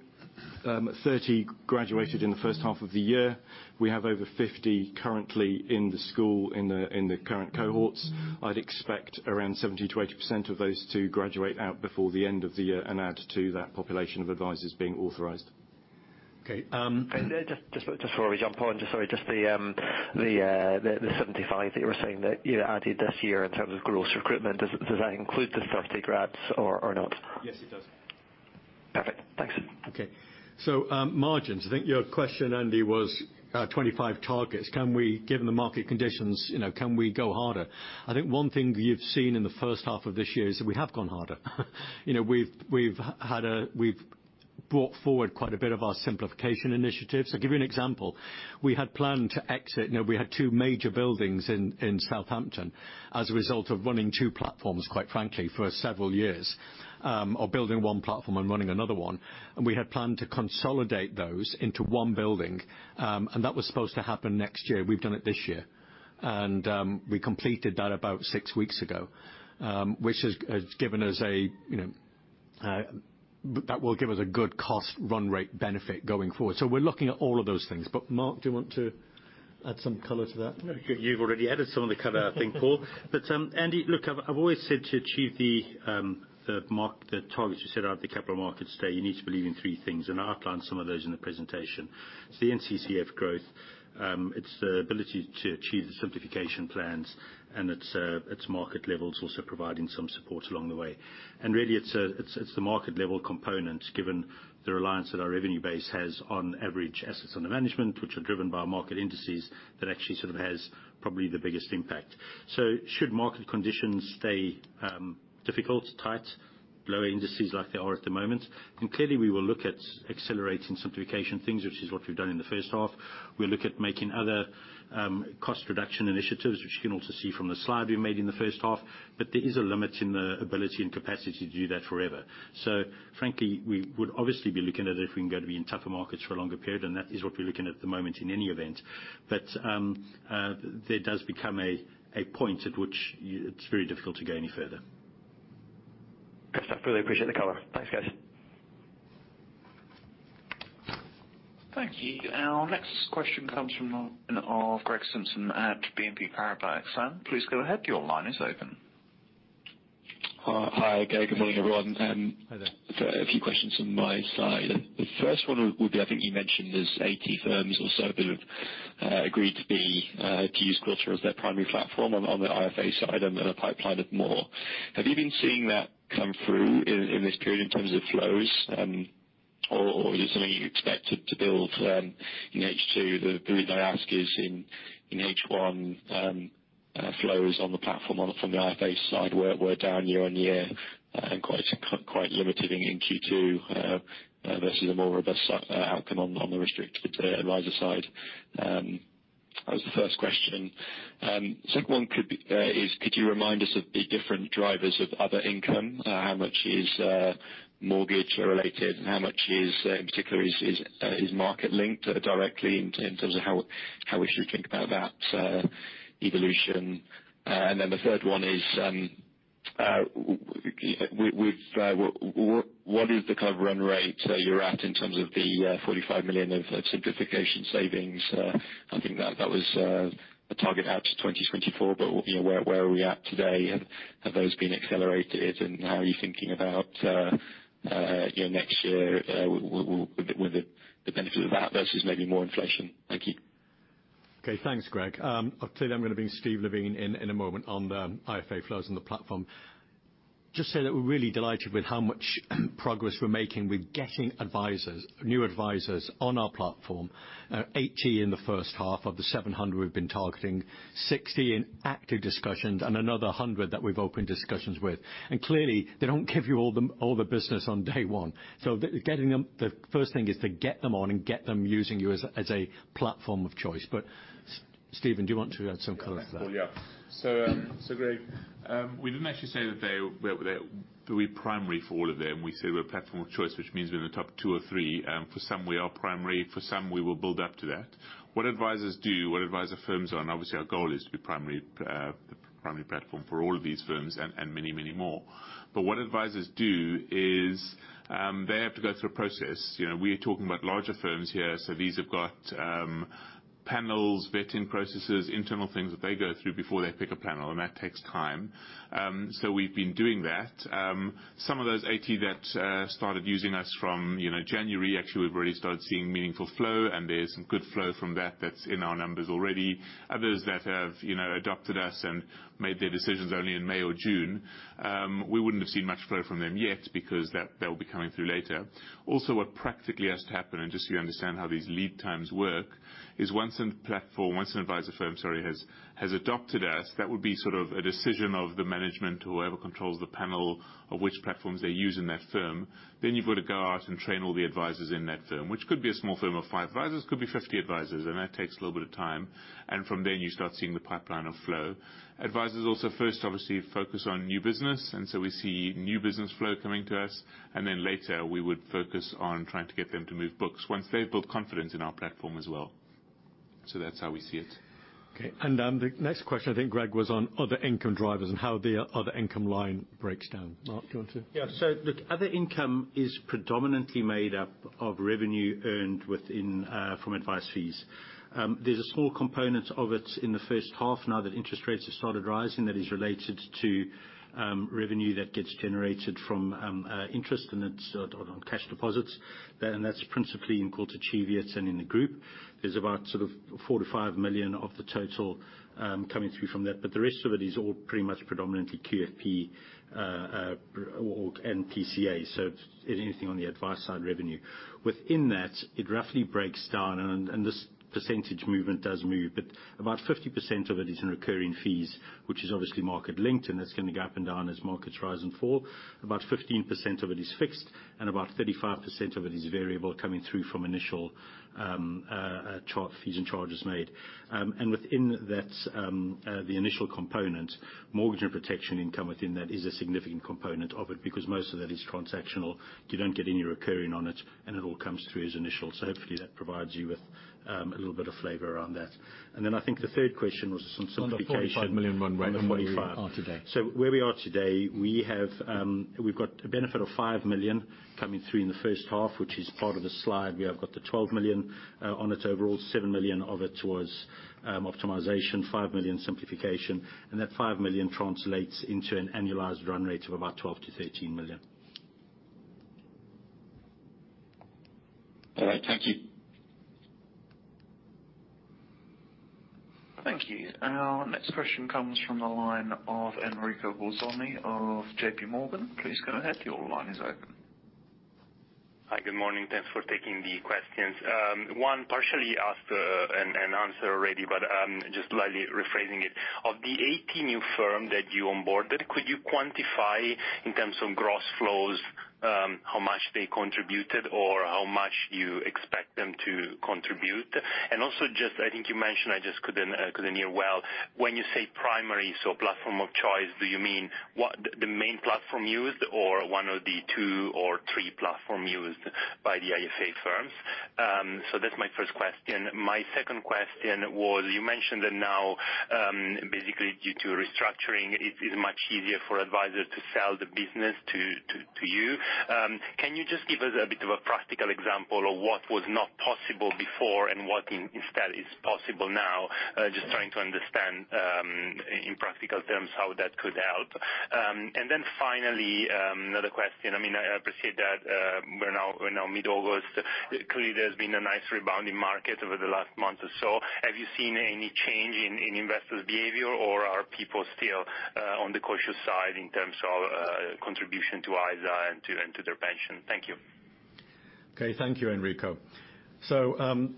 30 graduated in the first half of the year. We have over 50 currently in the school in the current cohorts. I'd expect around 70%-80% of those to graduate out before the end of the year and add to that population of advisors being authorized. Okay. Just before we jump on. Sorry, just the 75 that you were saying that, you know, added this year in terms of gross recruitment. Does that include the 30 grads or not? Yes, it does. Perfect. Thanks. Okay. Margins. I think your question, Andy, was, 25 targets. Given the market conditions, you know, can we go harder? I think one thing you've seen in the first half of this year is that we have gone harder. You know, we've brought forward quite a bit of our simplification initiatives. To give you an example, we had planned to exit. You know, we had two major buildings in Southampton as a result of running two platforms, quite frankly, for several years. Or building one platform and running another one. We had planned to consolidate those into one building. That was supposed to happen next year. We've done it this year. We completed that about six weeks ago, which has given us a, you know. That will give us a good cost run rate benefit going forward. We're looking at all of those things. Mark, do you want to add some color to that? You've already added some of the color I think, Paul. Andy, look, I've always said to achieve the targets you set out at the Capital Markets Day, you need to believe in three things, and I outlined some of those in the presentation. It's the NCCF growth, it's the ability to achieve the simplification plans, and it's market levels also providing some support along the way. Really, it's the market level component, given the reliance that our revenue base has on average assets under management, which are driven by market indices that actually sort of has probably the biggest impact. Should market conditions stay difficult, tight, lower indices like they are at the moment, then clearly we will look at accelerating simplification things, which is what we've done in the first half. We'll look at making other, cost reduction initiatives, which you can also see from the slide we made in the first half. There is a limit in the ability and capacity to do that forever. Frankly, we would obviously be looking at if we can go to be in tougher markets for a longer period, and that is what we're looking at at the moment in any event. There does become a point at which it's very difficult to go any further. Excellent. Really appreciate the color. Thanks, guys. Thank you. Our next question comes from Greg Simpson at BNP Paribas. Please go ahead, your line is open. Hi. Okay, good morning, everyone. Hi there. A few questions on my side. The first one would be, I think you mentioned there's 80 firms or so that have agreed to use Quilter as their primary platform on the IFA side and a pipeline of more. Have you been seeing that come through in this period in terms of flows? Or is it something you expect to build in H2? The reason I ask is in H1 flows on the platform from the IFA side were down year-on-year and quite limited in Q2 versus a more robust outcome on the restricted advisor side. That was the first question. Second one is, could you remind us of the different drivers of other income? How much is mortgage related and how much is in particular market linked directly in terms of how we should think about that evolution? The third one is what is the kind of run rate you're at in terms of the 45 million of simplification savings? I think that was a target out to 2024. You know, where are we at today? Have those been accelerated? How are you thinking about, you know, next year with the benefit of that versus maybe more inflation? Thank you. Okay. Thanks, Greg. I'll tell you that I'm going to bring Steve Levin in in a moment on the IFA flows on the platform. Just say that we're really delighted with how much progress we're making with getting advisors, new advisors on our platform. 80 in the first half of the 700 we've been targeting. 60 in active discussions and another 100 that we've opened discussions with. Clearly, they don't give you all the, all the business on day one. So getting them. The first thing is to get them on and get them using you as a platform of choice. Steven, do you want to add some color to that? Yeah. Greg, we didn't actually say we're primary for all of them. We say we're a platform of choice, which means we're in the top two or three. For some we are primary, for some we will build up to that. What advisors do, what advisor firms are, and obviously our goal is to be primary platform for all of these firms and many more. But what advisors do is, they have to go through a process. You know, we're talking about larger firms here. These have got panels, vetting processes, internal things that they go through before they pick a panel, and that takes time. We've been doing that. Some of those 80 that started using us from, you know, January, actually we've already started seeing meaningful flow, and there's some good flow from that that's in our numbers already. Others that have, you know, adopted us and made their decisions only in May or June, we wouldn't have seen much flow from them yet because that'll be coming through later. Also, what practically has to happen, and just so you understand how these lead times work, is once an advisor firm has adopted us, that would be sort of a decision of the management or whoever controls the panel of which platforms they use in that firm, then you've got to go out and train all the advisors in that firm. Which could be a small firm of five advisors, could be 50 advisors, and that takes a little bit of time. From then you start seeing the pipeline of flow. Advisors also first obviously focus on new business, and so we see new business flow coming to us, and then later we would focus on trying to get them to move books once they've built confidence in our platform as well. That's how we see it. Okay. The next question I think, Greg, was on other income drivers and how the other income line breaks down. Mark, do you want to. Yeah. Look, other income is predominantly made up of revenue earned within from advice fees. There's a small component of it in the first half now that interest rates have started rising that is related to revenue that gets generated from interest, and it's on cash deposits. And that's principally in Quilter Cheviot and in the group. There's about sort of 4-5 million of the total coming through from that. The rest of it is all pretty much predominantly QFP and TCA. Anything on the advice side revenue. Within that, it roughly breaks down, and this percentage movement does move, but about 50% of it is in recurring fees, which is obviously market linked, and it's gonna go up and down as markets rise and fall. About 15% of it is fixed, and about 35% of it is variable coming through from initial charges, fees and charges made. Within that, the initial component, mortgage and protection income within that is a significant component of it because most of that is transactional. You don't get any recurring on it, and it all comes through as initial. Hopefully that provides you with a little bit of flavor around that. I think the third question was on simplification. On the 45 million run rate and where you are today. On the 45. Where we are today, we have, we've got a benefit of 5 million coming through in the first half, which is part of the slide. We have got the 12 million on it overall. 7 million of it was optimization, 5 million simplification, and that 5 million translates into an annualized run rate of about 12 million-13 million. All right. Thank you. Thank you. Our next question comes from the line of Enrico Bolzoni of J.P. Morgan. Please go ahead. Your line is open. Hi, good morning. Thanks for taking the questions. One partially asked and answered already, just lightly rephrasing it. Of the 80 new firms that you onboarded, could you quantify in terms of gross flows how much they contributed or how much you expect them to contribute? Also just I think you mentioned, I just couldn't hear well, when you say primary, so platform of choice, do you mean the main platform used or one of the two or three platforms used by the IFA firms? So that's my first question. My second question was, you mentioned that now, basically due to restructuring, it is much easier for advisors to sell the business to you. Can you just give us a bit of a practical example of what was not possible before and what instead is possible now? Just trying to understand in practical terms how that could help. Finally, another question. I mean, I appreciate that we're now mid-August. Clearly, there's been a nice rebounding market over the last month or so. Have you seen any change in investors' behavior or are people still on the cautious side in terms of contribution to ISA and to their pension? Thank you. Okay. Thank you, Enrico.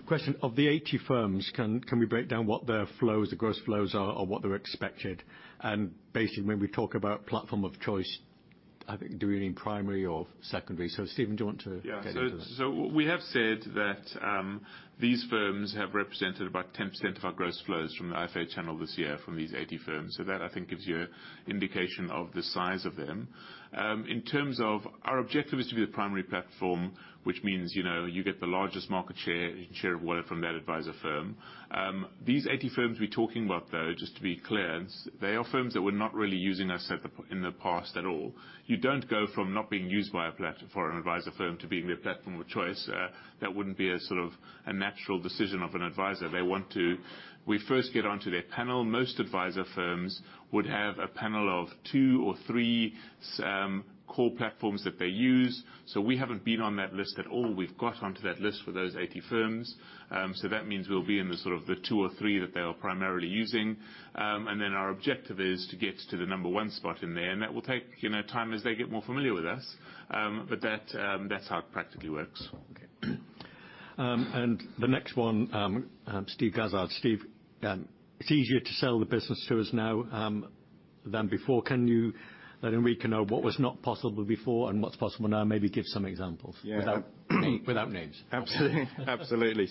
Question, of the 80 firms, can we break down what their flows, the gross flows are or what they're expected? Basically when we talk about platform of choice, I think, do we mean primary or secondary? Stephen, do you want to get into this? Yeah. We have said that these firms have represented about 10% of our gross flows from the IFA channel this year from these 80 firms. That I think gives you an indication of the size of them. In terms of, our objective is to be the primary platform, which means, you know, you get the largest market share of wallet from that advisor firm. These 80 firms we're talking about, though, just to be clear, they are firms that were not really using us in the past at all. You don't go from not being used by an advisor firm to being their platform of choice. That wouldn't be sort of a natural decision of an advisor. They want us to first get onto their panel. Most advisor firms would have a panel of two or three core platforms that they use. We haven't been on that list at all. We've got onto that list for those 80 firms. That means we'll be in the sort of the two or three that they are primarily using. Then our objective is to get to the number one spot in there, and that will take, you know, time as they get more familiar with us. That's how it practically works. Okay. The next one, Steve Gazard. Steve, it's easier to sell the business to us now than before. Can you let Enrico know what was not possible before and what's possible now? Maybe give some examples. Yeah. Without names. Absolutely.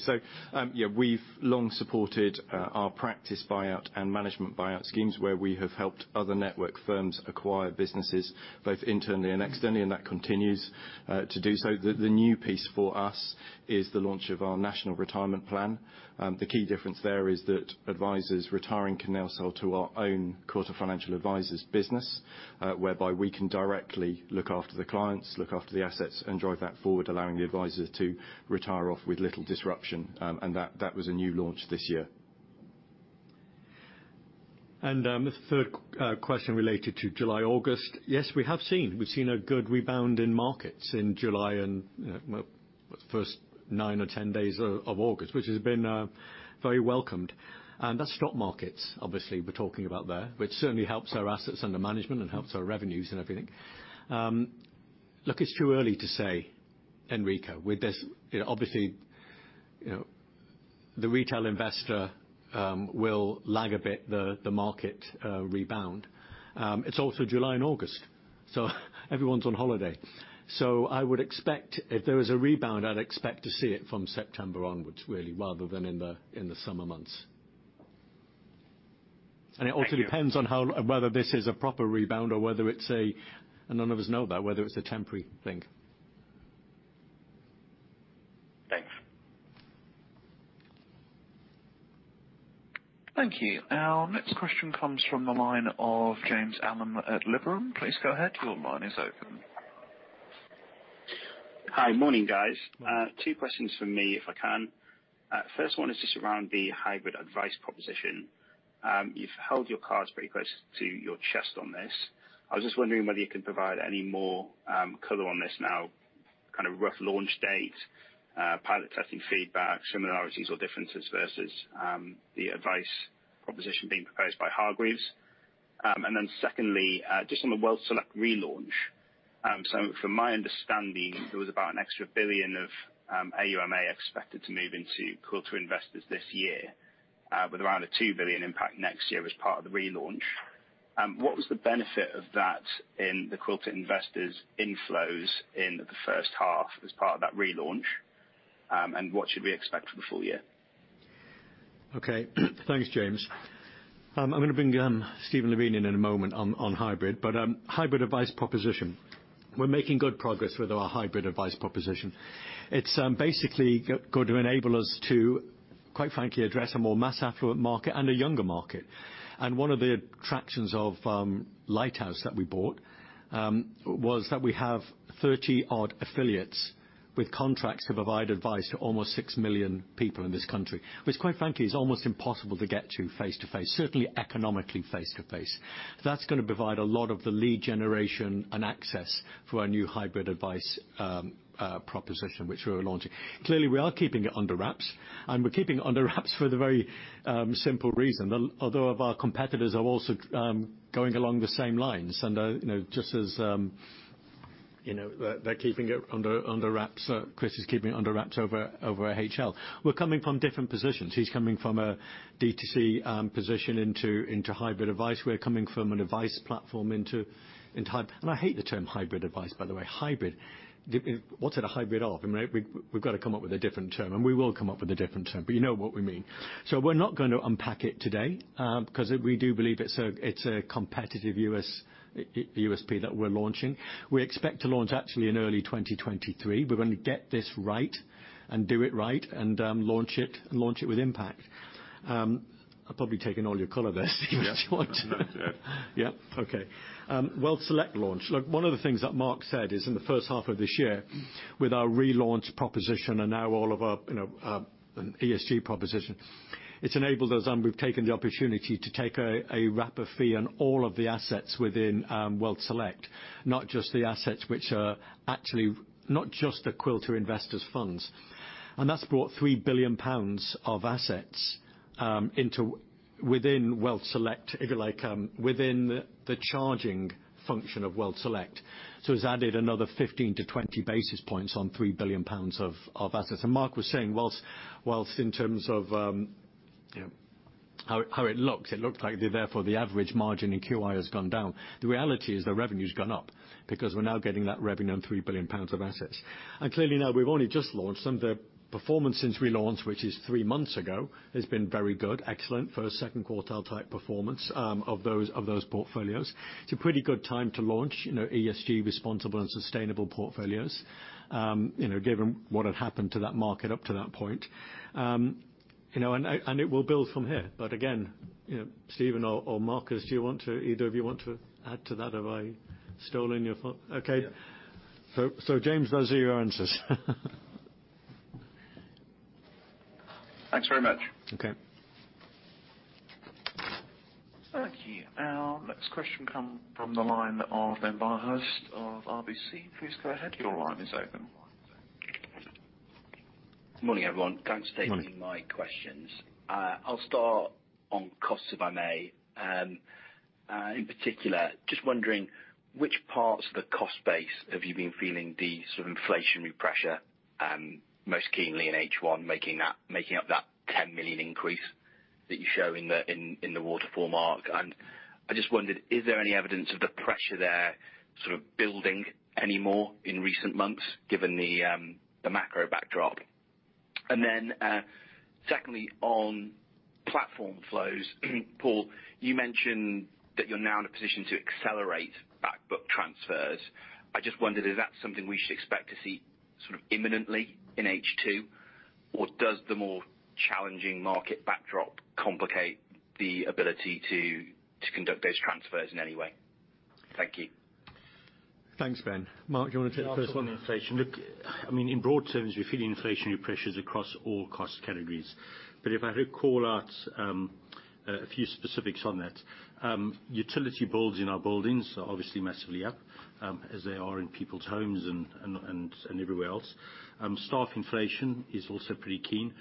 We've long supported our practice buyout and management buyout schemes where we have helped other network firms acquire businesses both internally and externally, and that continues to do so. The new piece for us is the launch of our national retirement plan. The key difference there is that advisors retiring can now sell to our own Quilter Financial Advisers business, whereby we can directly look after the clients, look after the assets and drive that forward, allowing the advisor to retire off with little disruption, and that was a new launch this year. The third question related to July, August. We've seen a good rebound in markets in July and, well, first 9 or 10 days of August, which has been very welcomed. That's stock markets, obviously, we're talking about there, which certainly helps our assets under management and helps our revenues and everything. Look, it's too early to say, Enrico, with this, you know, obviously, you know. The retail investor will lag a bit the market rebound. It's also July and August, so everyone's on holiday. I would expect if there is a rebound, I'd expect to see it from September onwards really, rather than in the summer months. Thank you. It also depends on whether this is a proper rebound or whether it's a temporary thing. None of us know that. Thanks. Thank you. Our next question comes from the line of James Allen at Liberum. Please go ahead, your line is open. Hi. Morning, guys. Morning. Two questions from me, if I can. First one is just around the hybrid advice proposition. You've held your cards pretty close to your chest on this. I was just wondering whether you could provide any more color on this now, kind of rough launch date, pilot testing feedback, similarities or differences versus the advice proposition being proposed by Hargreaves. Secondly, just on the WealthSelect relaunch. From my understanding, there was about an extra 1 billion of AUMA expected to move into Quilter Investors this year, with around a 2 billion impact next year as part of the relaunch. What was the benefit of that in the Quilter Investors inflows in the first half as part of that relaunch? What should we expect for the full year? Okay. Thanks, James. I'm gonna bring Steven Levin in a moment on hybrid. Hybrid advice proposition. We're making good progress with our hybrid advice proposition. It's basically going to enable us to, quite frankly, address a more mass affluent market and a younger market. One of the attractions of Lighthouse that we bought was that we have 30-odd affiliates with contracts to provide advice to almost 6 million people in this country. Which quite frankly is almost impossible to get to face-to-face, certainly economically face-to-face. That's gonna provide a lot of the lead generation and access for our new hybrid advice proposition, which we're launching. Clearly, we are keeping it under wraps and we're keeping it under wraps for the very simple reason. All other of our competitors are also going along the same lines and, you know, just as, you know, they're keeping it under wraps. Chris is keeping it under wraps over at HL. We're coming from different positions. He's coming from a DTC position into hybrid advice. We're coming from an advice platform into hybrid advice. I hate the term hybrid advice, by the way. Hybrid. What's it a hybrid of? I mean, we've gotta come up with a different term, and we will come up with a different term. You know what we mean. We're not gonna unpack it today, 'cause we do believe it's a competitive USP that we're launching. We expect to launch actually in early 2023. We're gonna get this right and do it right and launch it with impact. I've probably taken all your color there, Steve, do you want- Yeah. Yeah? Okay. WealthSelect launch. Look, one of the things that Mark said is in the first half of this year with our relaunch proposition and now all of our, you know, ESG proposition, it's enabled us and we've taken the opportunity to take a wrapper fee on all of the assets within WealthSelect, not just the assets which are actually not just the Quilter Investors funds. That's brought 3 billion pounds of assets within WealthSelect, if you like, within the charging function of WealthSelect. It's added another 15-20 basis points on 3 billion pounds of assets. Mark was saying whilst in terms of, you know, how it looks, it looked like therefore the average margin in QI has gone down. The reality is the revenue's gone up because we're now getting that revenue on 3 billion pounds of assets. Clearly now we've only just launched them. The performance since we launched, which is three months ago, has been very good, excellent for a second quartile type performance of those portfolios. It's a pretty good time to launch, you know, ESG responsible and sustainable portfolios, you know, given what had happened to that market up to that point. It will build from here. Again, you know, Stephen or Marcus, either of you want to add to that? Have I stolen your thunder? Okay. Yeah. James, those are your answers. Thanks very much. Okay. Thank you. Our next question comes from the line of Ben Bathurst of RBC. Please go ahead, your line is open. Morning, everyone. Morning. Thanks for taking my questions. I'll start on costs, if I may. In particular, just wondering which parts of the cost base have you been feeling the sort of inflationary pressure most keenly in H1 making up that 10 million increase that you show in the waterfall chart. I just wondered, is there any evidence of the pressure there sort of building any more in recent months given the macro backdrop? Secondly, on platform flows. Paul, you mentioned that you're now in a position to accelerate back book transfers. I just wondered, is that something we should expect to see sort of imminently in H2? Or does the more challenging market backdrop complicate the ability to conduct those transfers in any way? Thank you. Thanks, Ben. Mark, do you wanna take the first one? Yeah, I'll take inflation. Look, I mean, in broad terms, we're feeling inflationary pressures across all cost categories. If I could call out a few specifics on that. Utility bills in our buildings are obviously massively up, as they are in people's homes and everywhere else. Staff inflation is also pretty keen.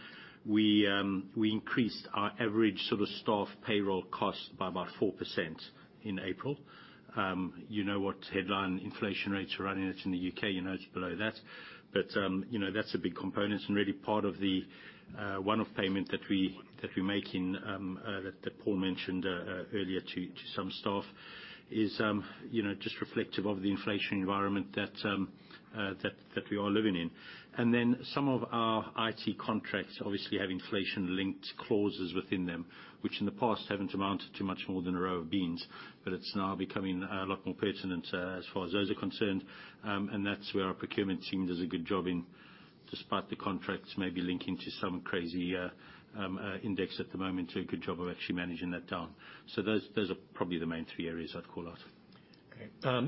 We increased our average sort of staff payroll cost by about 4% in April. You know what headline inflation rates are running at in the UK. You know it's below that. You know, that's a big component and really part of the one-off payment that we're making that Paul mentioned earlier to some staff. You know, just reflective of the inflation environment that we are living in. Then some of our IT contracts obviously have inflation-linked clauses within them, which in the past haven't amounted to much more than a row of beans, but it's now becoming a lot more pertinent as far as those are concerned. That's where our procurement team does a good job, despite the contracts maybe linking to some crazy index at the moment, of actually managing that down. Those are probably the main three areas I'd call out. Okay.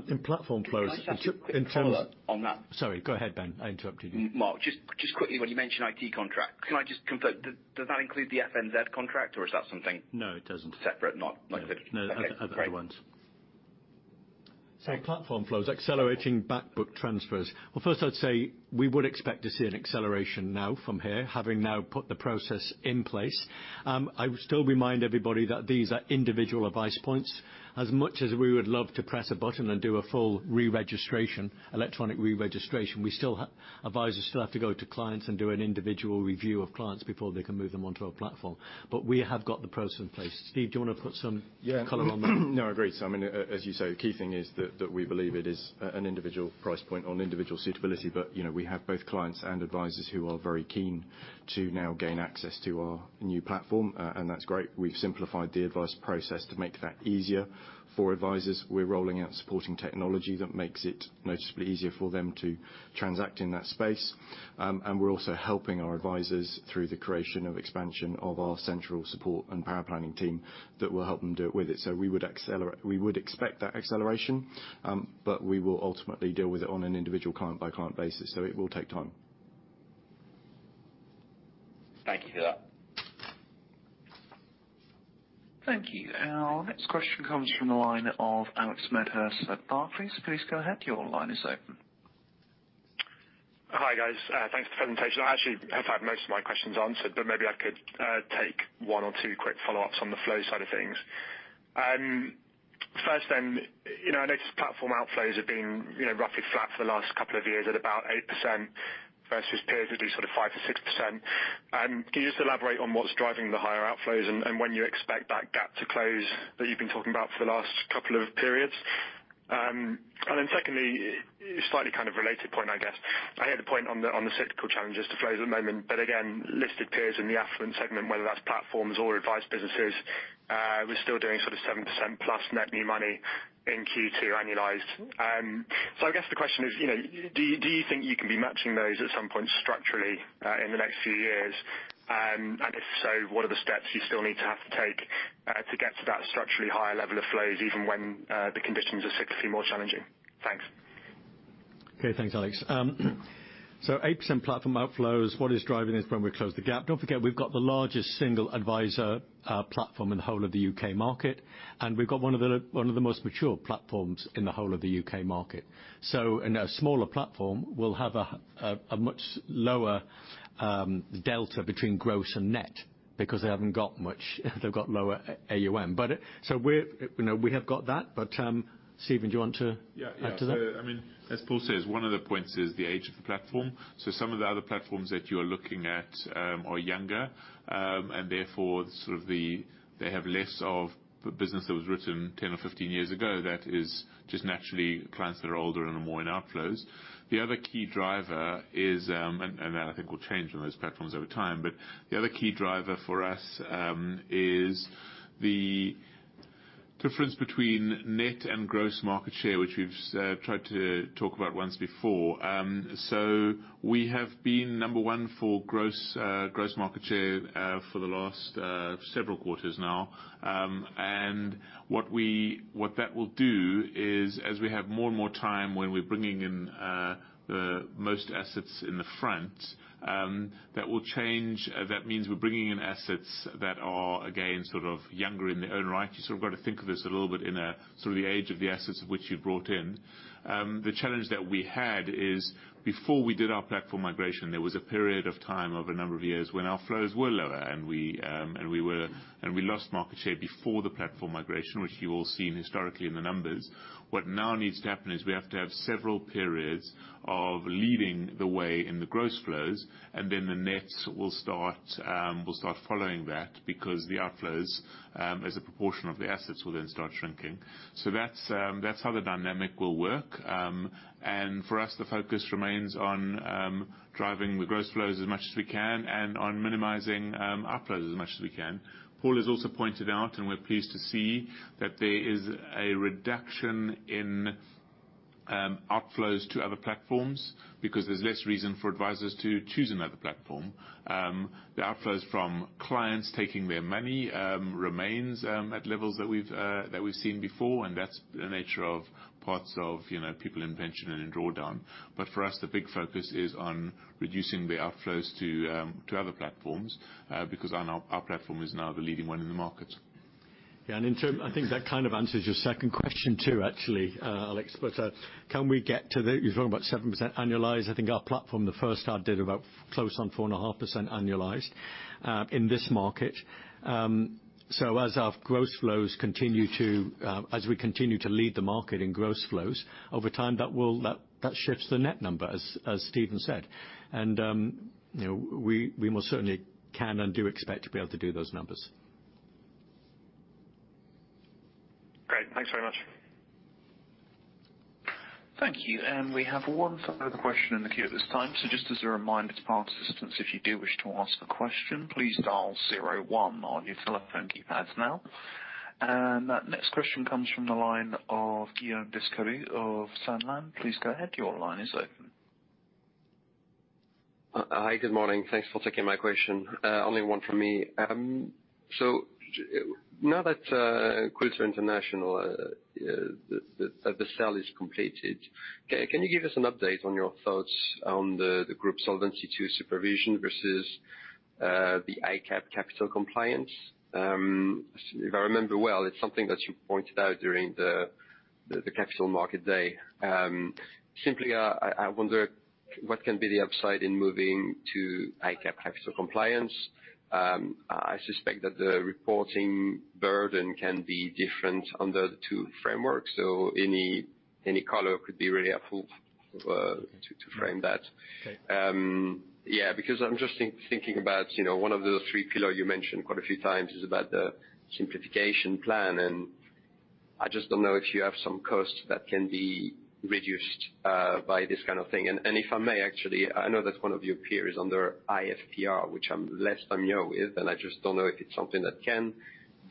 In platform flows- Can I just ask a quick follow-up on that? Sorry, go ahead, Ben. I interrupted you. Mark, just quickly, when you mentioned IT contracts, can I just confirm, does that include the FNZ contract or is that something? No, it doesn't. Separate? Not like the. No. Okay. Other ones. Platform flows, accelerating back book transfers. Well, first, I'd say we would expect to see an acceleration now from here, having now put the process in place. I would still remind everybody that these are individual advice points. As much as we would love to press a button and do a full reregistration, electronic reregistration, we still have advisors still have to go to clients and do an individual review of clients before they can move them onto our platform. We have got the process in place. Steve, do you wanna put some color on that? Yeah. No, I agree. I mean, as you say, key thing is that we believe it is an individual price point on individual suitability. You know, we have both clients and advisors who are very keen to now gain access to our new platform, and that's great. We've simplified the advice process to make that easier for advisors. We're rolling out supporting technology that makes it noticeably easier for them to transact in that space. We're also helping our advisors through the creation and expansion of our central support and paraplanning team that will help them do it with it. We would expect that acceleration, but we will ultimately deal with it on an individual client-by-client basis, so it will take time. Thank you for that. Thank you. Our next question comes from the line of Alex Medhurst at Barclays. Please go ahead. Your line is open. Hi, guys. Thanks for the presentation. I actually have had most of my questions answered, but maybe I could take one or two quick follow-ups on the flow side of things. First then, you know, I noticed platform outflows have been, you know, roughly flat for the last couple of years at about 8% versus periods of sort of 5%-6%. Can you just elaborate on what's driving the higher outflows and when you expect that gap to close that you've been talking about for the last couple of periods? Secondly, slightly kind of related point, I guess. I heard the point on the cyclical challenges to flows at the moment, but again, listed peers in the affluent segment, whether that's platforms or advice businesses, we're still doing sort of 7%+ net new money in Q2 annualized. I guess the question is, you know, do you think you can be matching those at some point structurally in the next few years? If so, what are the steps you still need to have to take to get to that structurally higher level of flows even when the conditions are significantly more challenging? Thanks. Okay. Thanks, Alex. 8% platform outflows, what is driving this, when we close the gap? Don't forget, we've got the largest single advisor platform in the whole of the U.K. market, and we've got one of the most mature platforms in the whole of the U.K. market. In a smaller platform, we'll have a much lower delta between gross and net because they haven't got much. They've got lower AUM. You know, we have got that. Steven, do you want to add to that? I mean, as Paul says, one of the points is the age of the platform. Some of the other platforms that you're looking at are younger, and therefore they have less of the business that was written 10 or 15 years ago that is just naturally clients that are older and are more in outflows. The other key driver is, and I think will change on those platforms over time, but the other key driver for us is the difference between net and gross market share, which we've tried to talk about once before. We have been number one for gross market share for the last several quarters now. What that will do is as we have more and more time when we're bringing in the most assets in the front, that will change. That means we're bringing in assets that are, again, sort of younger in their own right. You sort of got to think of this a little bit in a sort of the age of the assets of which you've brought in. The challenge that we had is before we did our platform migration, there was a period of time over a number of years when our flows were lower and we lost market share before the platform migration, which you will see historically in the numbers. What now needs to happen is we have to have several periods of leading the way in the gross flows, and then the nets will start following that because the outflows as a proportion of the assets will then start shrinking. That's how the dynamic will work. For us, the focus remains on driving the gross flows as much as we can and on minimizing outflows as much as we can. Paul has also pointed out, and we're pleased to see, that there is a reduction in outflows to other platforms because there's less reason for advisors to choose another platform. The outflows from clients taking their money remains at levels that we've seen before, and that's the nature of parts of, you know, people in pension and in drawdown. For us, the big focus is on reducing the outflows to other platforms because our platform is now the leading one in the market. Yeah. In turn, I think that kind of answers your second question too, actually, Alex. You're talking about 7% annualized. I think our platform, the first half did about close on 4.5% annualized in this market. So as we continue to lead the market in gross flows, over time, that will shift the net number, as Steven said. You know, we most certainly can and do expect to be able to do those numbers. Thanks very much. Thank you. We have one further question in the queue at this time. Just as a reminder to participants, if you do wish to ask a question, please dial zero one on your telephone keypads now. That next question comes from the line of Guillaume Descalle of Société Générale. Please go ahead. Your line is open. Hi. Good morning. Thanks for taking my question. Only one for me. Now that Quilter International, the sale is completed, can you give us an update on your thoughts on the group Solvency II supervision versus the ICAAP capital compliance? If I remember well, it's something that you pointed out during the Capital Markets Day. Simply, I wonder what can be the upside in moving to ICAAP capital compliance. I suspect that the reporting burden can be different under the two frameworks. Any color could be really helpful to frame that. Okay. Yeah, because I'm just thinking about, you know, one of the three pillar you mentioned quite a few times is about the simplification plan. I just don't know if you have some costs that can be reduced by this kind of thing. If I may, actually, I know that one of your peers is under IFPR, which I'm less familiar with, and I just don't know if it's something that can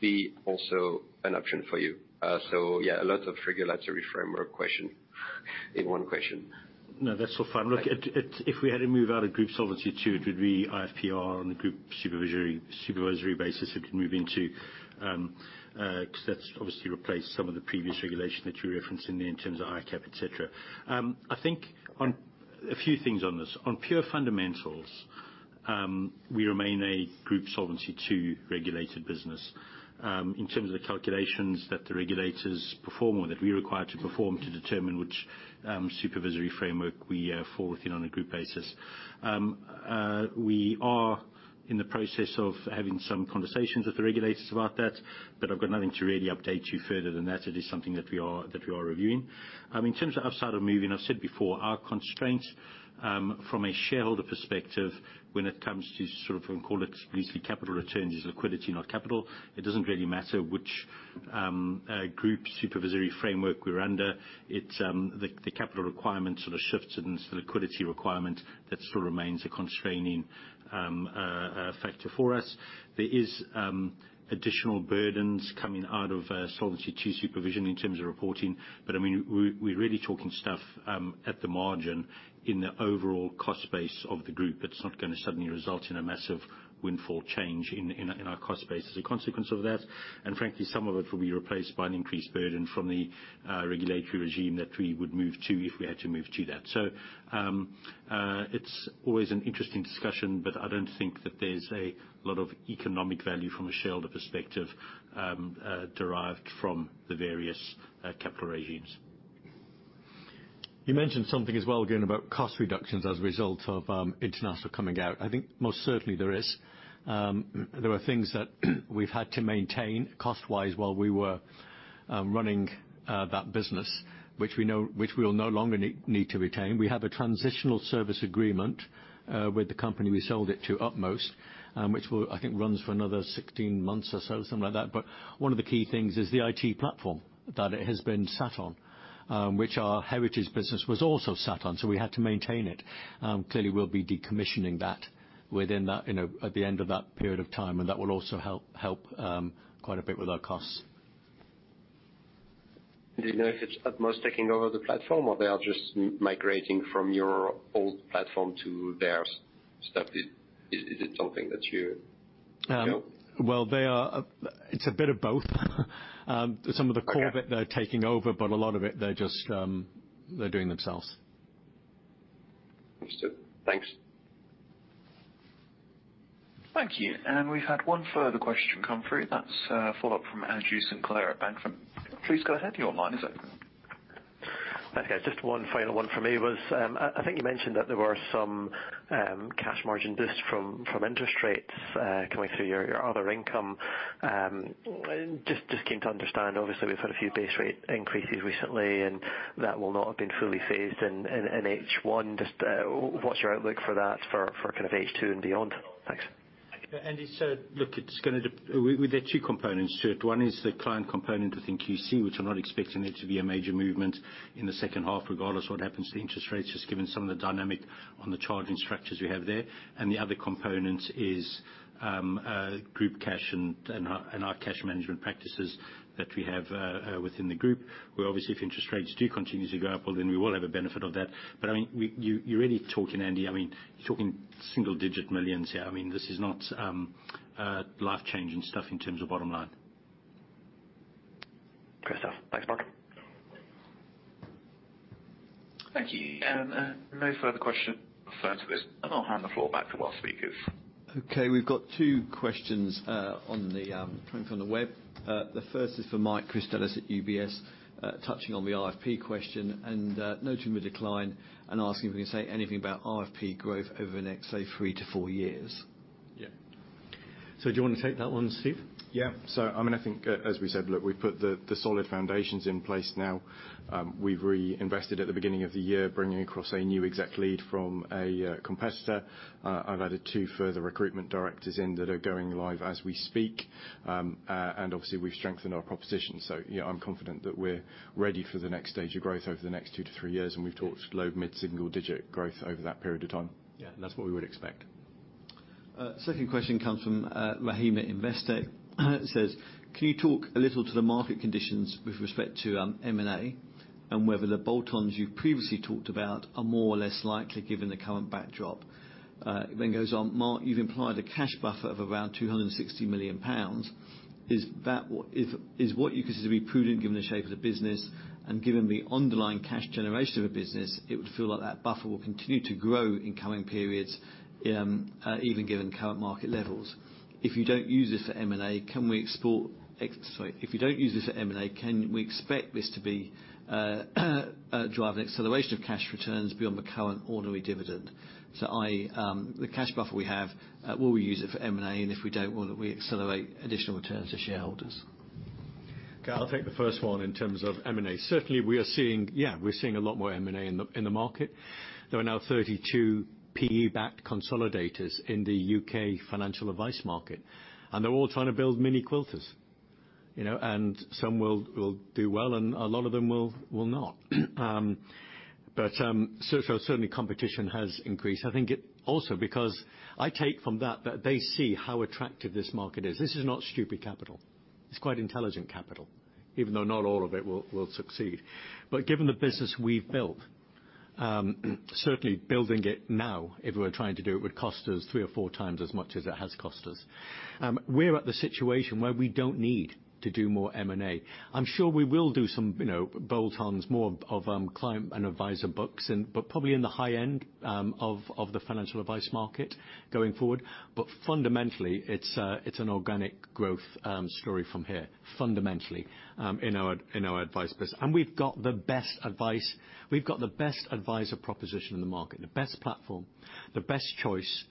be also an option for you. Yeah, a lot of regulatory framework question in one question. No, that's all fine. Look, if we had to move out of group Solvency II, it would be IFPR on the group supervisory basis it can move into. 'Cause that's obviously replaced some of the previous regulation that you referenced in there in terms of ICAAP, et cetera. I think on a few things on this. On pure fundamentals, we remain a group Solvency II regulated business, in terms of the calculations that the regulators perform or that we require to perform to determine which supervisory framework we fall within on a group basis. We are in the process of having some conversations with the regulators about that, but I've got nothing to really update you further than that. It is something that we are reviewing. In terms of upside of moving, I've said before our constraints from a shareholder perspective when it comes to sort of call it basically capital returns is liquidity, not capital. It doesn't really matter which group supervisory framework we're under. It's the capital requirement sort of shifts it, and it's the liquidity requirement that still remains a constraining factor for us. There is additional burdens coming out of Solvency II supervision in terms of reporting. I mean, we're really talking stuff at the margin in the overall cost base of the group. It's not gonna suddenly result in a massive windfall change in our cost base as a consequence of that. Frankly, some of it will be replaced by an increased burden from the regulatory regime that we would move to if we had to move to that. It's always an interesting discussion, but I don't think that there's a lot of economic value from a shareholder perspective, derived from the various capital regimes. You mentioned something as well, again, about cost reductions as a result of international coming out. I think most certainly there is. There are things that we've had to maintain cost-wise while we were running that business, which we know which we will no longer need to retain. We have a transitional service agreement with the company we sold it to, Utmost, which, I think, runs for another 16 months or so, something like that. But one of the key things is the IT platform that it has been sat on, which our Heritage business was also sat on, so we had to maintain it. Clearly, we'll be decommissioning that within that, you know, at the end of that period of time, and that will also help quite a bit with our costs. Do you know if it's Utmost taking over the platform or they are just migrating from your old platform to their stuff? Is it something that you know? Well, they are. It's a bit of both. Some of the core- Okay. They're taking over, but a lot of it, they're just, they're doing themselves. Understood. Thanks. Thank you. We've had one further question come through. That's a follow-up from Andrew Sinclair at Bank of America. Please go ahead. Your line is open. Thanks, guys. Just one final one from me. I think you mentioned that there were some cash margin boost from interest rates coming through your other income. Just keen to understand. Obviously, we've had a few base rate increases recently, and that will not have been fully phased in H1. Just, what's your outlook for that for kind of H2 and beyond? Thanks. Andy, look, well, there are two components to it. One is the client component within QC, which we're not expecting there to be a major movement in the second half, regardless of what happens to interest rates, just given some of the dynamics on the charging structures we have there. The other component is group cash and our cash management practices that we have within the group, where obviously, if interest rates do continue to go up, well, then we will have a benefit of that. I mean, you're really talking, Andy, I mean, you're talking single-digit millions here. I mean, this is not life-changing stuff in terms of bottom line. Great stuff. Thanks, Mark. Thank you. No further question further to this. I'll hand the floor back to our speakers. Okay. We've got two questions coming from the web. The first is from Mike Pistiolis at UBS, touching on the RFP question and noting the decline and asking if we can say anything about RFP growth over the next, say, 3-4 years. Yeah. Do you wanna take that one, Steve? Yeah. I mean, I think as we said, look, we've put the solid foundations in place now. We've reinvested at the beginning of the year, bringing across a new exec lead from a competitor. I've added 2 further recruitment directors that are going live as we speak. And obviously we've strengthened our proposition. Yeah, I'm confident that we're ready for the next stage of growth over the next 2 to 3 years, and we've talked low mid-single digit growth over that period of time. Yeah, that's what we would expect. Second question comes from Rahim, Investec. It says, can you talk a little to the market conditions with respect to M&A and whether the bolt-ons you've previously talked about are more or less likely given the current backdrop? It then goes on, Mark, you've implied a cash buffer of around 260 million pounds. Is that what you consider to be prudent given the shape of the business and given the underlying cash generation of a business? It would feel like that buffer will continue to grow in coming periods, even given current market levels. If you don't use this for M&A, can we expect this to drive an acceleration of cash returns beyond the current ordinary dividend? i.e., the cash buffer we have, will we use it for M&A? If we don't, will we accelerate additional returns to shareholders? Okay, I'll take the first one in terms of M&A. Certainly, we are seeing a lot more M&A in the market. There are now 32 PE-backed consolidators in the UK financial advice market, and they're all trying to build mini Quilters. You know, some will do well, and a lot of them will not. Certainly competition has increased. I think it's also because I take from that they see how attractive this market is. This is not stupid capital. It's quite intelligent capital, even though not all of it will succeed. Given the business we've built, certainly building it now, if we were trying to do it, would cost us three or four times as much as it has cost us. We're at the situation where we don't need to do more M&A. I'm sure we will do some, you know, bolt-ons, more of, client and advisor books and but probably in the high end, of the financial advice market going forward. Fundamentally, it's an organic growth story from here, fundamentally, in our advice business. We've got the best advice. We've got the best advisor proposition in the market, the best platform, the best choice,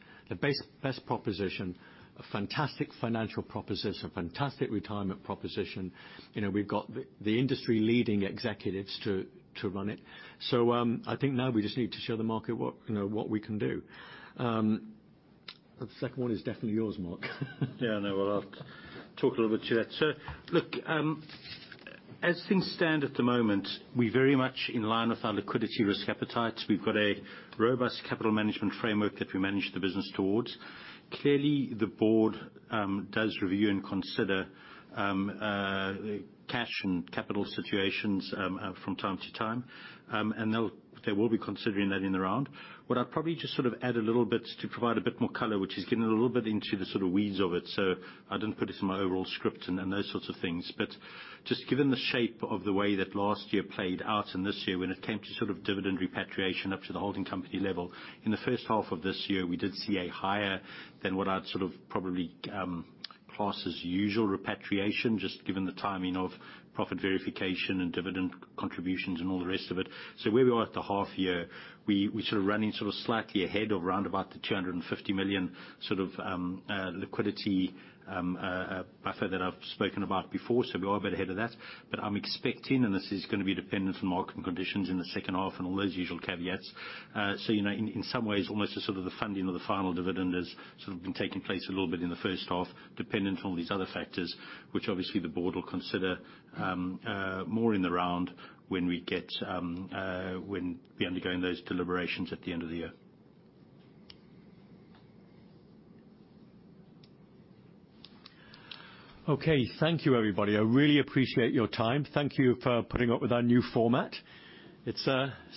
best proposition, a fantastic financial proposition, a fantastic retirement proposition. You know, we've got the industry-leading executives to run it. I think now we just need to show the market what, you know, what we can do. The second one is definitely yours, Mark. Yeah, I know. Well, I'll talk a little bit to that. Look, as things stand at the moment, we're very much in line with our liquidity risk appetites. We've got a robust capital management framework that we manage the business towards. Clearly, the board does review and consider cash and capital situations from time to time. They will be considering that in the round. What I'd probably just sort of add a little bit to provide a bit more color, which is getting a little bit into the sort of weeds of it, so I didn't put this in my overall script and those sorts of things. Just given the shape of the way that last year played out and this year, when it came to sort of dividend repatriation up to the holding company level, in the first half of this year, we did see a higher than what I'd sort of probably class as usual repatriation, just given the timing of profit verification and dividend contributions and all the rest of it. Where we are at the half year, we're sort of running sort of slightly ahead of around about the 250 million liquidity buffer that I've spoken about before. We are a bit ahead of that. I'm expecting, and this is gonna be dependent on market conditions in the second half and all those usual caveats. You know, in some ways, almost sort of the funding of the final dividend has sort of been taking place a little bit in the first half, dependent on all these other factors, which obviously the board will consider more in the round when we undergo those deliberations at the end of the year. Okay. Thank you, everybody. I really appreciate your time. Thank you for putting up with our new format. It's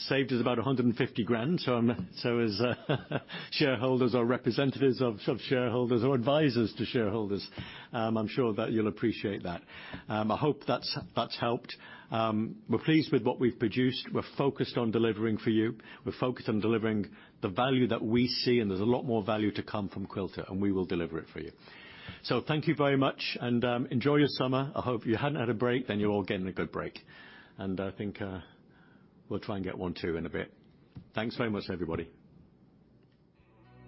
saved us about 150,000, so as shareholders or representatives of shareholders or advisors to shareholders, I'm sure that you'll appreciate that. I hope that's helped. We're pleased with what we've produced. We're focused on delivering for you. We're focused on delivering the value that we see, and there's a lot more value to come from Quilter, and we will deliver it for you. Thank you very much and enjoy your summer. I hope if you hadn't had a break, then you're all getting a good break. I think we'll try and get one too in a bit. Thanks very much, everybody.